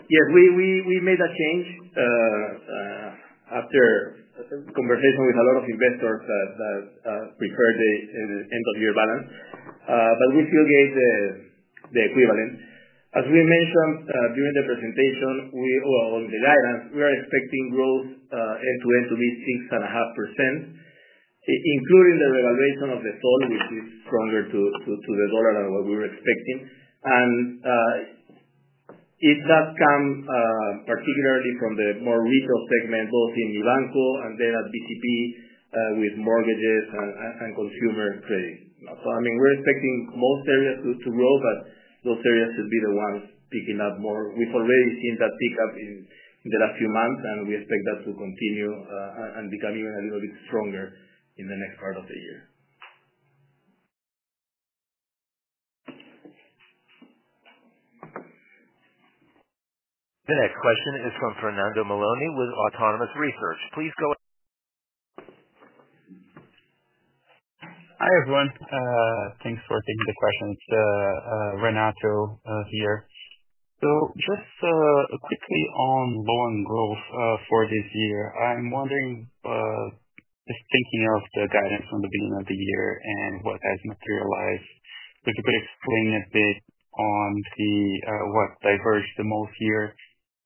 Lindsey. We made that change after a conversation with a lot of investors that preferred the end-of-year balance, but we still gave the equivalent. As we mentioned during the presentation, we were on the guidance, we were expecting growth end-to-end to be 6.5%, including the revaluation of the sol, which is stronger to the dollar than what we were expecting. It does come particularly from the more retail segment, both in Milagros and then at BCP, with mortgages and consumer credits. We're expecting most areas to grow, but those areas could be the ones picking up more. We've already seen that pick up in the last few months, and we expect that to continue and become even a little bit stronger in the next part of the year. The next question is from Renato Meloni with Autonomous Research. Please go ahead. Hi, everyone. Thanks for taking the questions. Renato here. Just quickly on loan growth for this year, I'm wondering, just thinking of the guidance from the beginning of the year and what has materialized, if you could explain a bit on what diverged the most here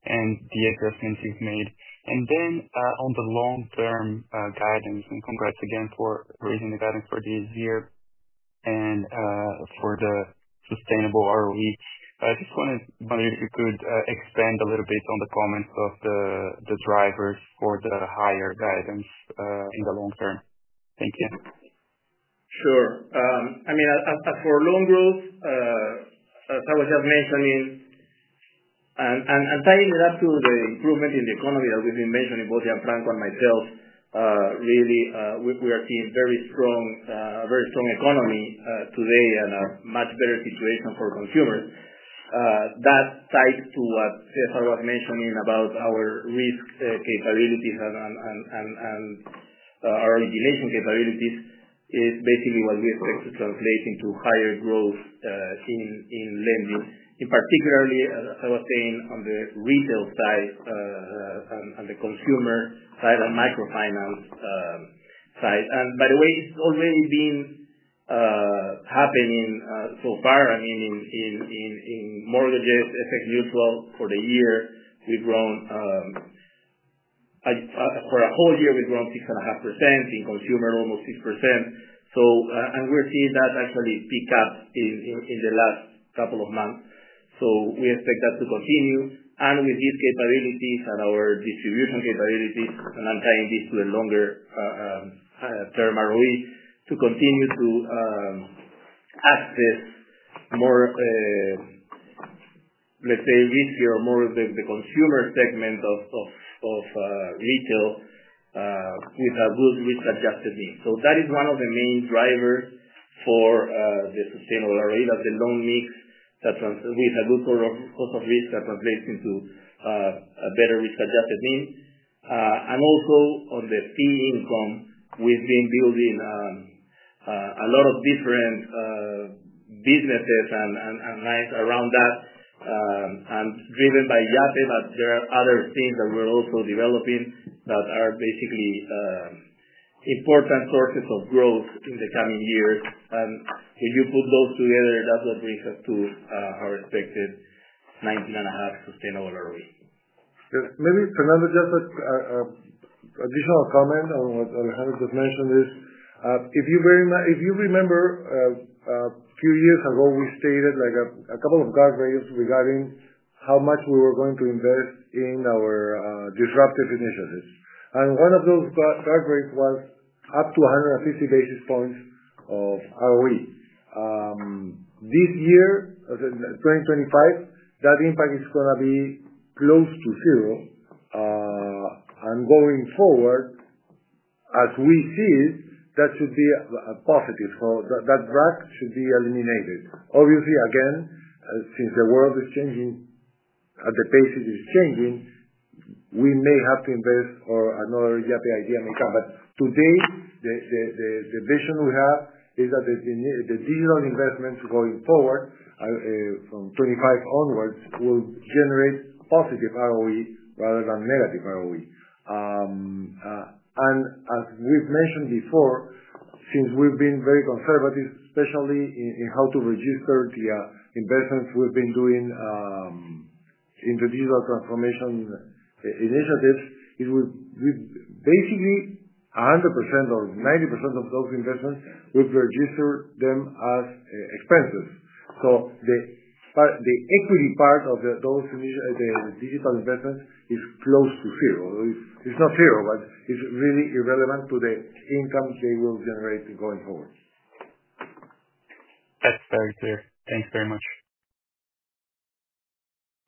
and the adjustments you've made. On the long-term guidance, and congrats again for raising the guidance for this year and for the sustainable ROE. I just wanted to, if you could, expand a little bit on the comments of the drivers for the higher guidance in the long term. Thank you. Sure. I mean, as for loan growth, as I was just mentioning, and tying that to the improvement in the economy that we've been mentioning, both Gianfranco and myself, really, we are seeing a very strong, very strong economy today and a much better situation for consumers. That ties to what César was mentioning about our risk capabilities and our origination capabilities, which is basically what we expect to translate into higher growth seen in lending, particularly, as I was saying, on the retail side, the consumer side, and microfinance side. By the way, it's already been happening so far. I mean, in mortgages, FX yield growth for the year, we've grown, just for a whole year, we've grown 6.5%. In consumer, almost 6%. We're seeing that actually pick up in the last couple of months. We expect that to continue. With these capabilities and our distribution capabilities, and tying this to the longer-term ROE, we expect to continue to access more, let's say, risk, more of the consumer segment of retail, with a good risk-adjusted NIM. That is one of the main drivers for the sustainable array of the loan mix that translates with a good cost of risk that translates into a better risk-adjusted NIM. Also, on the fee income, we've been building a lot of different businesses and initiatives around that, and driven by Yape, but there are other things that we're also developing that are basically important sources of growth in the coming years. If you put those together, that's what brings us to our expected 19.5% sustainable ROE. Maybe, Fernando, just an additional comment on what Alejandro just mentioned is, if you remember, a few years ago, we stated a couple of guardrails regarding how much we were going to invest in our disruptive initiatives. One of those guardrails was up to 150 basis points of ROE. This year, as in 2025, that impact is going to be close to zero. Going forward, as we see it, that should be a positive. That bracket should be eliminated. Obviously, again, since the world is changing at the pace it is changing, we may have to invest or another Yape IDM account. Today, the vision we have is that the digital investments going forward, from 2025 onwards, will generate positive ROE rather than negative ROE. As we've mentioned before, since we've been very conservative, especially in how to register the investments we've been doing in the digital transformation initiatives, it would be basically 100% or 90% of those investments, we've registered them as expenses. The equity part of those initiatives, the digital investments, is close to zero. It's not zero, but it's really irrelevant to the incomes they will generate going forward. That's very clear. Thanks very much.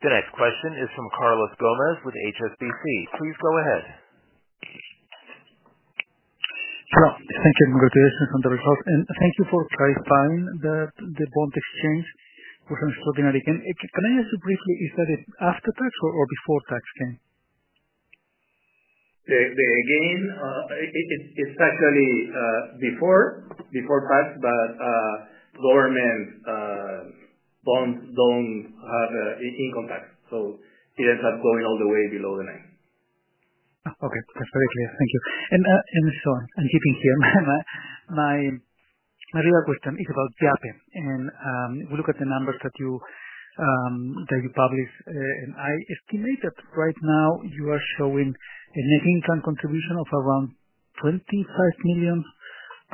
The next question is from Carlos Gomez with HSBC. Please go ahead. Hello. Thank you. Congratulations on the results, and thank you for clarifying that the bond exchange was unsubordinated. Can I ask you briefly, is that after tax or before tax? Again, it's actually before tax, but government bonds don't have an income tax, so it ends up going all the way below the name. Okay. That's very clear. Thank you. My real question is about Yape. We look at the numbers that you publish, and I estimate that right now you are showing a net income contribution of around $25 million.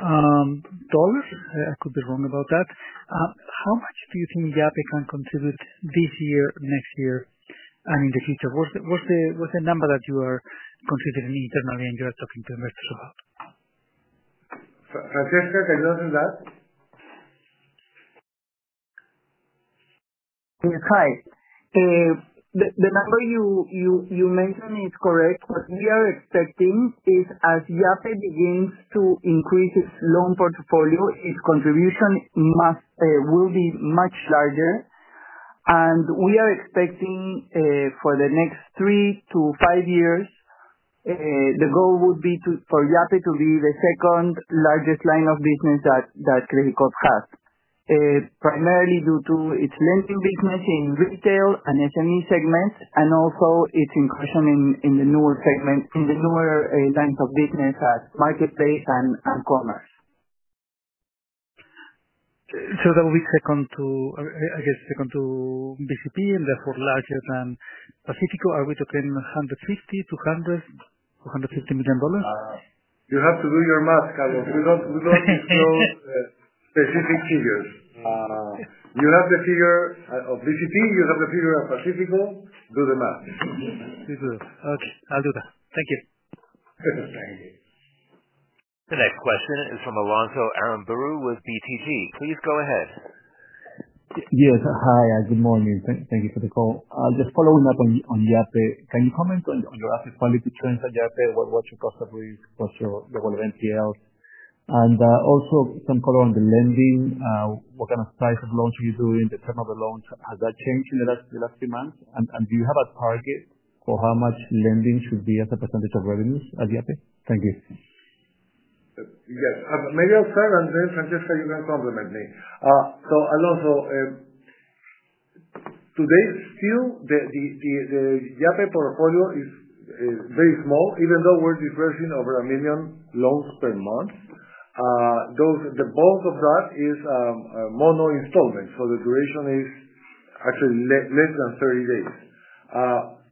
I could be wrong about that. How much do you think Yape contributes this year, next year, and in the future? What's the number that you are considering internally and your assessment to have? Francesca, can you answer that? Thank you, Cai. The number you mentioned is correct, but what we are expecting is as Yape begins to increase its loan portfolio, its contribution will be much larger. We are expecting, for the next three to five years, the goal would be for Yape to be the second largest line of business that Credicorp has, primarily due to its lending business in retail and SME segments, and also its increase in the newer segment, in the newer lines of business as marketplace and commerce. That would be second to, I guess, second to BCP and therefore larger than Grupo Pacífico Seguros. Are we talking $150 million-$250 million? You have to do your math, Carlos. We don't show the specific figures. No, no, no. You have the figure of BCP. You have the figure of Pacífico. Do the math. Yes, please do. Okay, I'll do that. Thank you. Perfect. Thank you. The next question is from Alonso Aramburú with BTG. Please go ahead. Yes. Hi. Good morning. Thank you for the call. I was following up on Yape. Can you comment on the asset quality trends at Yape? What's your cost of risk? What's your relevant TL? Also, some color on the lending. What kind of size of loans are you doing? The term of the loans, has that changed in the last few months? Do you have a target for how much lending should be as a percentage of revenues at Yape? Thank you. Yes. Maybe I'll start, and then Francesca, you can complement me. So, Alonso, today still, the Yape portfolio is very small, even though we're disbursing over $1 million loans per month. The bulk of that is mono-installment. The duration is actually less than 30 days.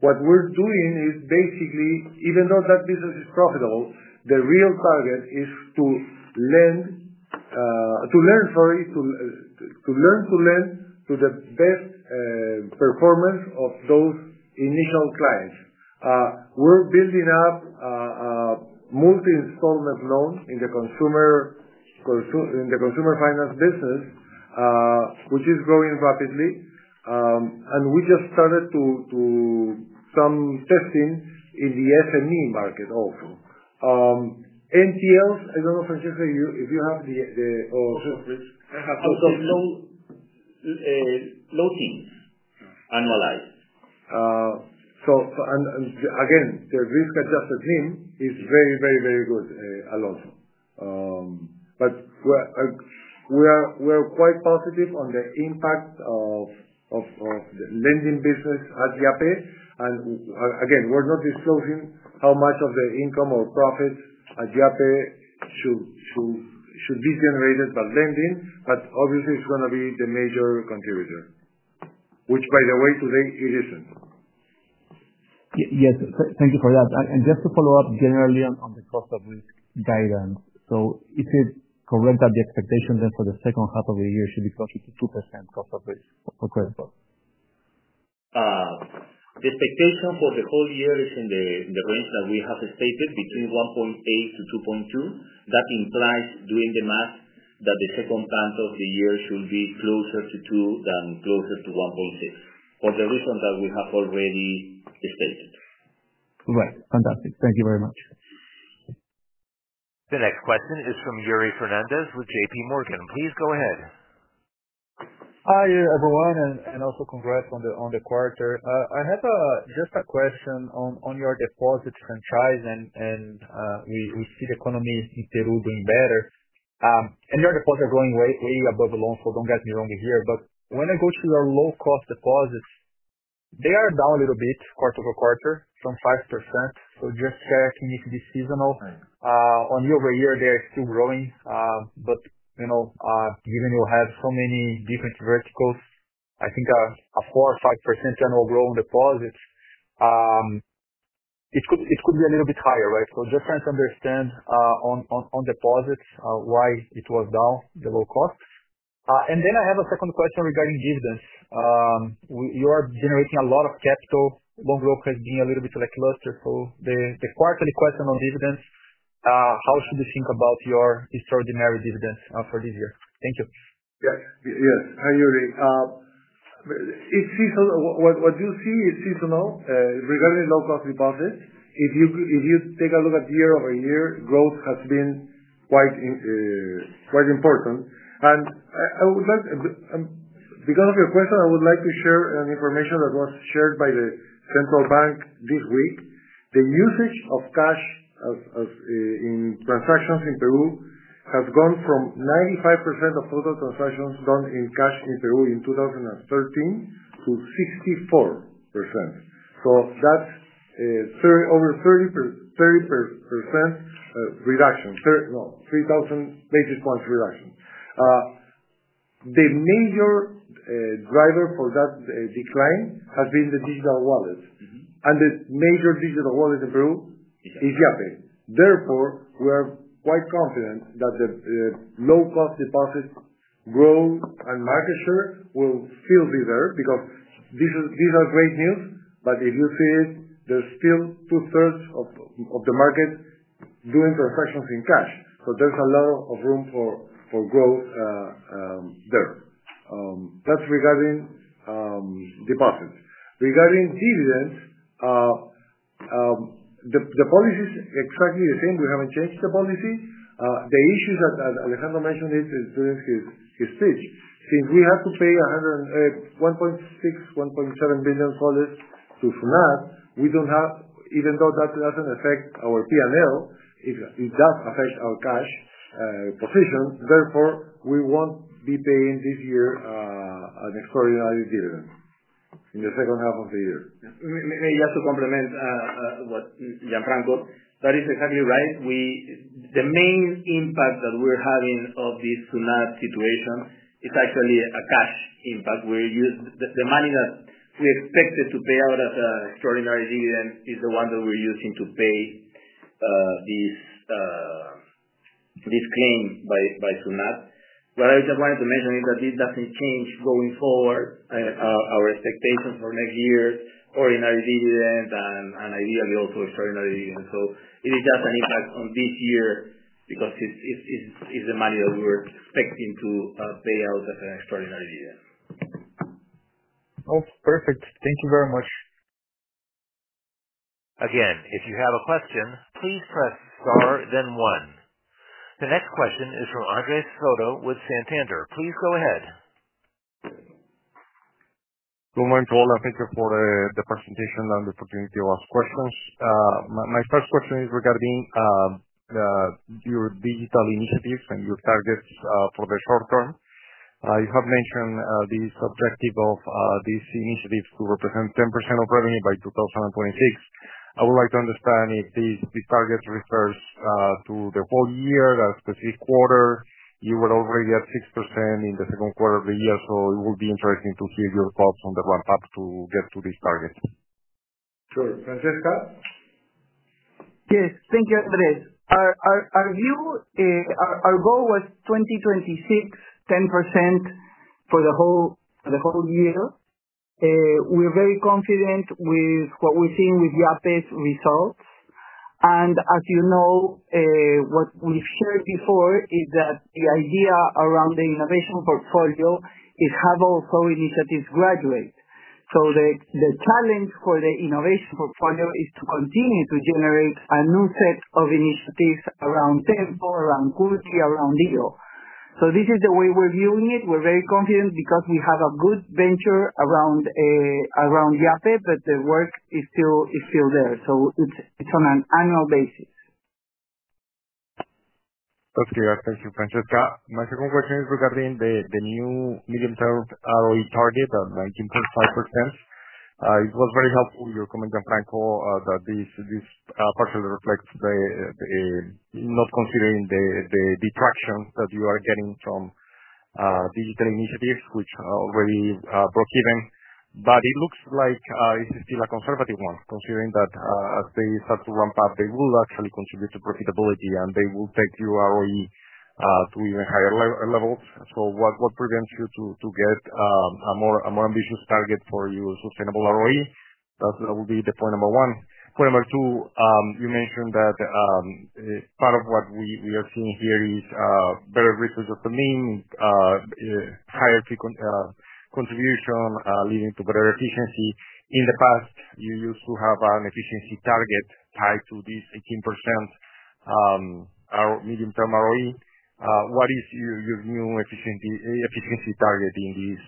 What we're doing is basically, even though that business is profitable, the real target is to learn to lend to the best performance of those initial clients. We're building up a multi-installment loan in the consumer finance business, which is growing rapidly. We just started to do some testing in the SME market also. Anything else? I don't know if Francesca, if you have the or who. I have no teams analyzed. The risk-adjusted NIM is very, very, very good, Alonso. We're quite positive on the impact of the lending business at Yape. We're not disclosing how much of the income or profits at Yape should be generated by lending, but obviously, it's going to be the major contributor, which, by the way, today it isn't. Yes, thank you for that. Just to follow up generally on the cost of risk guidance, if it's correct, the expectation then for the second half of the year should be closer to 2% cost of risk for Credicorp? The expectation for the whole year is in the range that we have stated, between 1.8%-2.2%. That implies, doing the math, that the second part of the year should be closer to 2% than closer to 1.6% for the reason that we have already stated. Right. Fantastic. Thank you very much. The next question is from Yuri Fernandes with JPMorgan. Please go ahead. Hi, everyone, and also congrats on the quarter. I had just a question on your deposit franchise, and we see the economy in Peru doing better. Your deposit is growing greatly above the loan, so don't get me wrong here. When I go to your low-cost deposits, they are down a little bit quarter over quarter, some 5%. Just asking if it is seasonal. On year-over-year, they are still growing. Given you have so many different verticals, I think a 4% or 5% general growing deposit, it could be a little bit higher, right? Just trying to understand on deposits why it was down, the low costs. I have a second question regarding dividends. You are generating a lot of capital, loan growth has been a little bit lackluster. The quarterly question on dividends, how should we think about your extraordinary dividends for this year? Thank you. Yeah. Yeah. Hi, Yuri. It's seasonal. What you see is seasonal regarding low-cost deposits. If you take a look at year-over-year, growth has been quite important. I would like, because of your question, to share information that was shared by the Central Bank this week. The usage of cash in transactions in Peru has gone from 95% of total transactions done in cash in Peru in 2013 to 64%. That's over a 30% reduction, no, 3,000 basis points reduction. The major driver for that decline has been the digital wallets. The major digital wallet in Peru is Yape. Therefore, we are quite confident that the low-cost deposits grow and market share will still be there because these are great news. If you see it, there's still 2/3 of the market doing transactions in cash. There's a lot of room for growth there. That's regarding deposits. Regarding dividends, the policy is exactly the same. We haven't changed the policy. The issues that Alejandro Perez-Reyes mentioned are his fees. Since he had to pay PEN 1.6 billion, PEN 1.7 billion to Sunat, we don't have, even though that doesn't affect our P&L, it does affect our cash position. Therefore, we won't be paying this year an extraordinary dividend in the second half of the year. Maybe I have to complement what Gianfranco. That is exactly right. The main impact that we're having of this Sunat situation is actually a cash impact. We use the money that we expected to pay out as an extraordinary dividend, it is the one that we're using to pay this claim by Sunat. What I just wanted to mention is that it doesn't change going forward our expectation for next year's ordinary dividends and, ideally, also extraordinary dividends. It is just an impact on this year because it's the money that we were expecting to pay out as an extraordinary dividend. Oh, perfect. Thank you very much. Again, if you have a question, please press star then one. The next question is from Andres Soto with Santander. Please go ahead. Good morning to all. Thank you for the presentation and the opportunity to ask questions. My first question is regarding your digital initiatives and your targets for the short term. You have mentioned the objective of these initiatives to represent 10% of revenue by 2026. I would like to understand if these targets refer to the whole year or a specific quarter. You were already at 6% in the second quarter of the year, so it would be interesting to hear your thoughts on the ramp-up to get to this target. Sure. Francesca? Yes. Thank you, Andres. Our goal was 2026, 10% for the whole year. We're very confident with what we're seeing with Yape's results. As you know, what we've shared before is that the idea around the innovation portfolio is how those initiatives graduate. The challenge for the innovation portfolio is to continue to generate a new set of initiatives around Tempo, around CoolCube, around Diggo. This is the way we're viewing it. We're very confident because we have a good venture around Yape, but the work is still there. It's on an annual basis. That's great. Thank you, Francesca. My second question is regarding the new medium-term ROE target of 19.5%. It was very helpful, your comment, Gianfranco, that this particularly reflects not considering the detraction that you are getting from digital initiatives, which are already breakeven. It looks like it's still a conservative one, considering that as they start to ramp up, they will actually contribute to profitability, and they will take your ROE to even higher levels. What prevents you from getting a more ambitious target for your sustainable ROE? That would be point number one. Point number two, you mentioned that part of what we are seeing here is better results of the NIM, higher contribution, leading to better efficiency. In the past, you used to have an efficiency target tied to this 18%, our medium-term ROE. What is your new efficiency target in this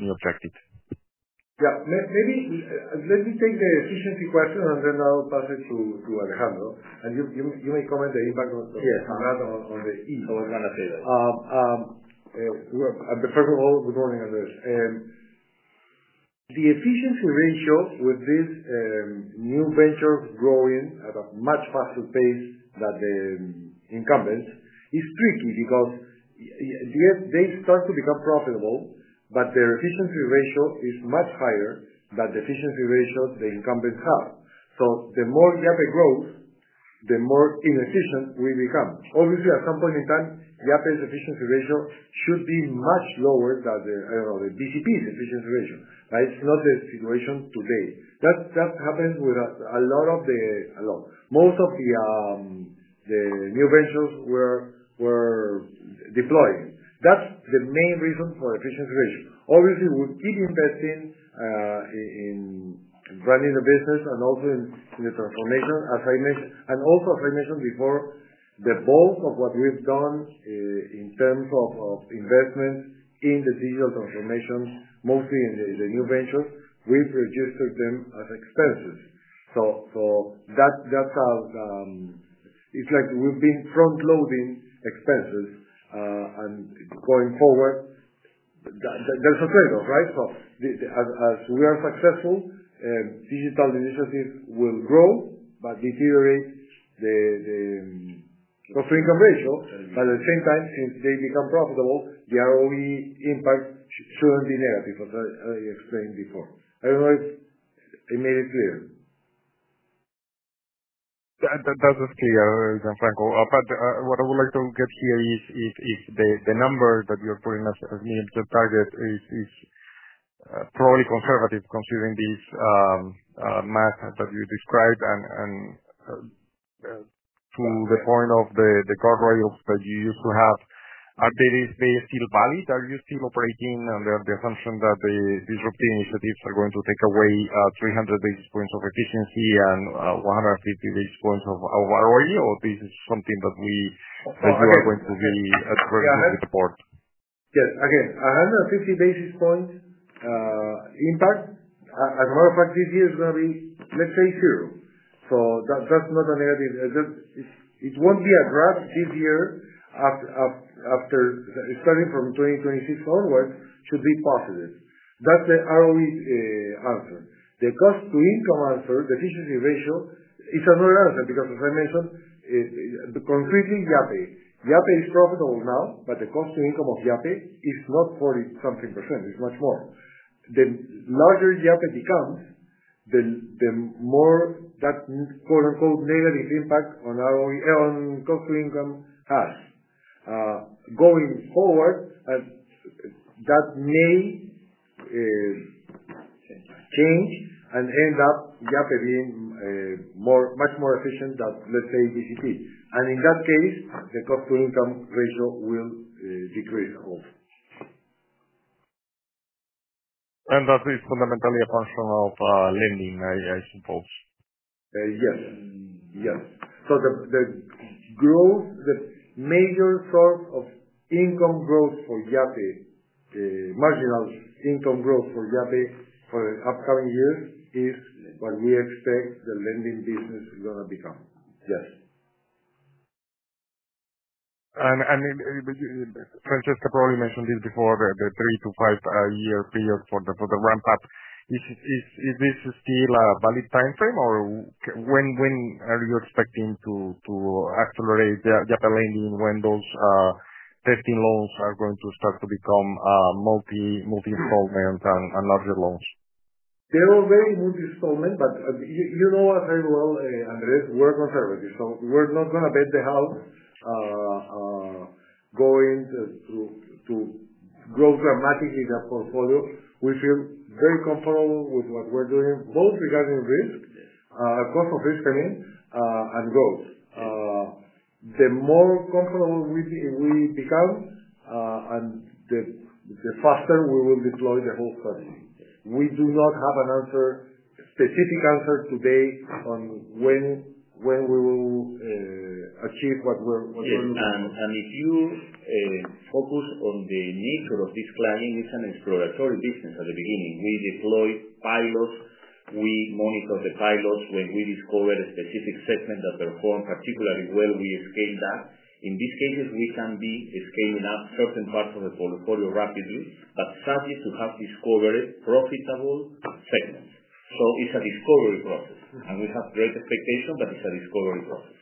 new objective? Yeah. Maybe let me take the efficiency question, and then I'll pass it to Alejandro. You may comment the impact on, here, on the E, I was going to say that. First of all, good morning, Andres. The efficiency ratio with these new ventures growing at a much faster pace than the incumbents is tricky because yes, they start to become profitable, but their efficiency ratio is much higher than the efficiency ratio the incumbents have. The more Yape grows, the more inefficient we become. Obviously, at some point in time, Yape's efficiency ratio should be much lower than the, I don't know, the BCP's efficiency ratio. It's not the situation today. That happened with a lot of the, most of the new ventures we're deploying. That's the main reason for efficiency ratio. Obviously, we keep investing in branding the business and also in the transformation, as I mentioned. Also, as I mentioned before, the bulk of what we've done in terms of investment in the digital transformation, mostly in the new venture, we've registered them as expenses. That's how it's like we've been front-loading expenses, and going forward. That's the trade-off, right? As we are successful, digital initiatives will grow but deteriorate the cost-to-income ratio. At the same time, since they become profitable, the ROE impact shouldn't be negative as I explained before. I don't know if I made it clear. That was clear, Gianfranco. What I would like to get here is if the number that you're putting as the target is probably conservative considering this math that you described. To the point of the guardrails that you used to have, are they still valid? Are you still operating under the assumption that the disruptive initiatives are going to take away 300 basis points of efficiency and 150 basis points of ROE, or is this something that we said we are going to be at across the board? Yeah. Again, 150 basis points, impact. As a matter of fact, this year is going to be, let's say, zero. That's not a negative. It won't be a drag this year. After, starting from 2023 forward, should be positive. That's the ROE's answer. The cost-to-income answer, the efficiency ratio, is another answer because, as I mentioned, it's completely Yape. Yape is profitable now, but the cost-to-income of Yape is not 40-something percent. It's much more. The larger Yape becomes, the more that quote-unquote negative impact on ROE, on cost-to-income has. Going forward, as that may change and end up Yape being much more efficient than, let's say, BCP. In that case, the cost-to-income ratio will decrease also. That is fundamentally a function of lending, I suppose. Yes. Yes. The growth, the major source of income growth for Yape, the marginal income growth for Yape for the upcoming years, is what we expect the lending business is going to become. Yes. Francesca probably mentioned this before, the three to five-year period for the ramp up. Is this still a valid timeframe, or when are you expecting to accelerate Yape lending, when those testing loans are going to start to become multi-instrument and larger loans? They're already multi-instrument, but you know us very well. This This work is on purpose. We're not going to bet the house, going to grow dramatically that portfolio. We feel very comfortable with what we're doing, both regarding risk, cost of risk, and growth. The more comfortable we become, the faster we will deploy the whole study. We do not have a specific answer today on when we will achieve what we're looking for. If you focus on the nature of this planning, it's an exploratory business at the beginning. We deployed pilot. We monitor the pilot. When we discovered a specific segment that performed particularly well, we scaled up. In these cases, we can be scaling up certain parts of the portfolio rapidly, but starting to have discovered profitable segments. It's a discovery process. We have great expectations, but it's a discovery process.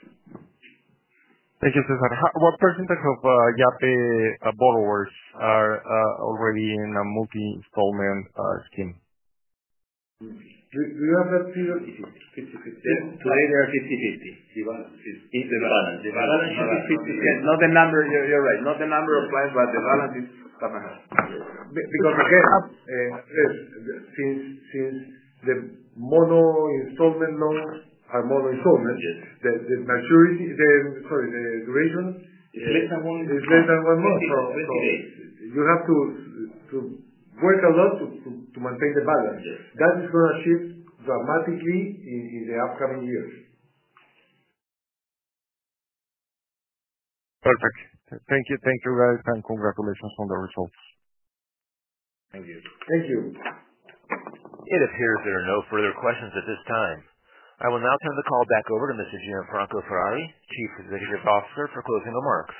Thank you, César. What percentage of Yape borrowers are already in a multi-installment team? Do you have that figure? If you could tell. Today, they are 50/50. The balance. The balance is 50/50. Not the number. You're right. Not the number of clients, but the balance is up and down. Because, again, since the mono-installment loans are mono-installment, the maturity, the duration is less than one month. You have to work a lot to maintain the balance. That is going to shift dramatically in the upcoming years. Perfect. Thank you. Thank you, guys, and congratulations on the results. Thank you. Thank you. If there are no further questions at this time, I will now turn the call back over to Mr. Gianfranco Ferrari, Chief Executive Officer, for closing remarks.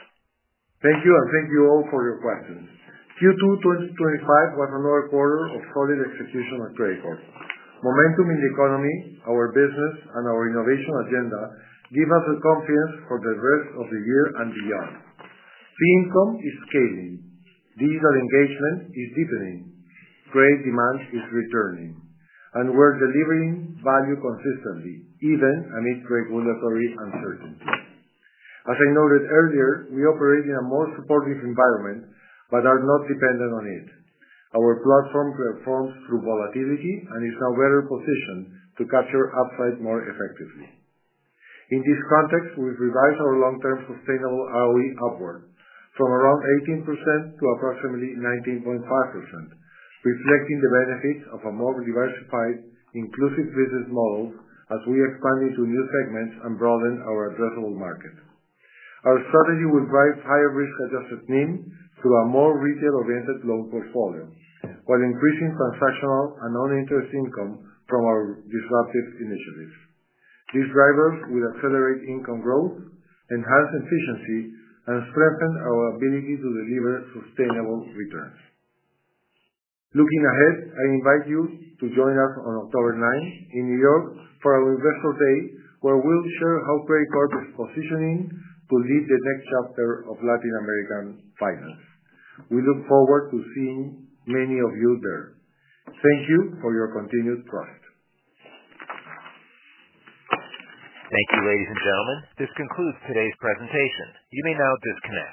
Thank you, and thank you all for your questions. Q2 2025 was another quarter of solid expectations at Credicorp. Momentum in the economy, our business, and our innovation agenda give us the confidence for the rest of the year and beyond. The income is scaling. Digital engagement is deepening. Credit demand is returning. We're delivering value consistently, even amid regulatory uncertainty. As I noted earlier, we operate in a more supportive environment but are not dependent on it. Our platform performs through volatility and is now better positioned to capture upside more effectively. In this context, we've revised our long-term sustainable ROE upward from around 18% to approximately 19.5%, reflecting the benefits of a more diversified, inclusive business model as we expand into new segments and broaden our addressable market. Our strategy will drive higher risk-adjusted means through a more retail-oriented loan portfolio, while increasing transactional and non-interest income from our disruptive initiatives. These drivers will accelerate income growth, enhance efficiency, and strengthen our ability to deliver sustainable returns. Looking ahead, I invite you to join us on October 9 in New York for our Investor Day, where we'll share how Credicorp is positioning to lead the next chapter of Latin American finance. We look forward to seeing many of you there. Thank you for your continued trust. Thank you, ladies and gentlemen. This concludes today's presentation. You may now disconnect.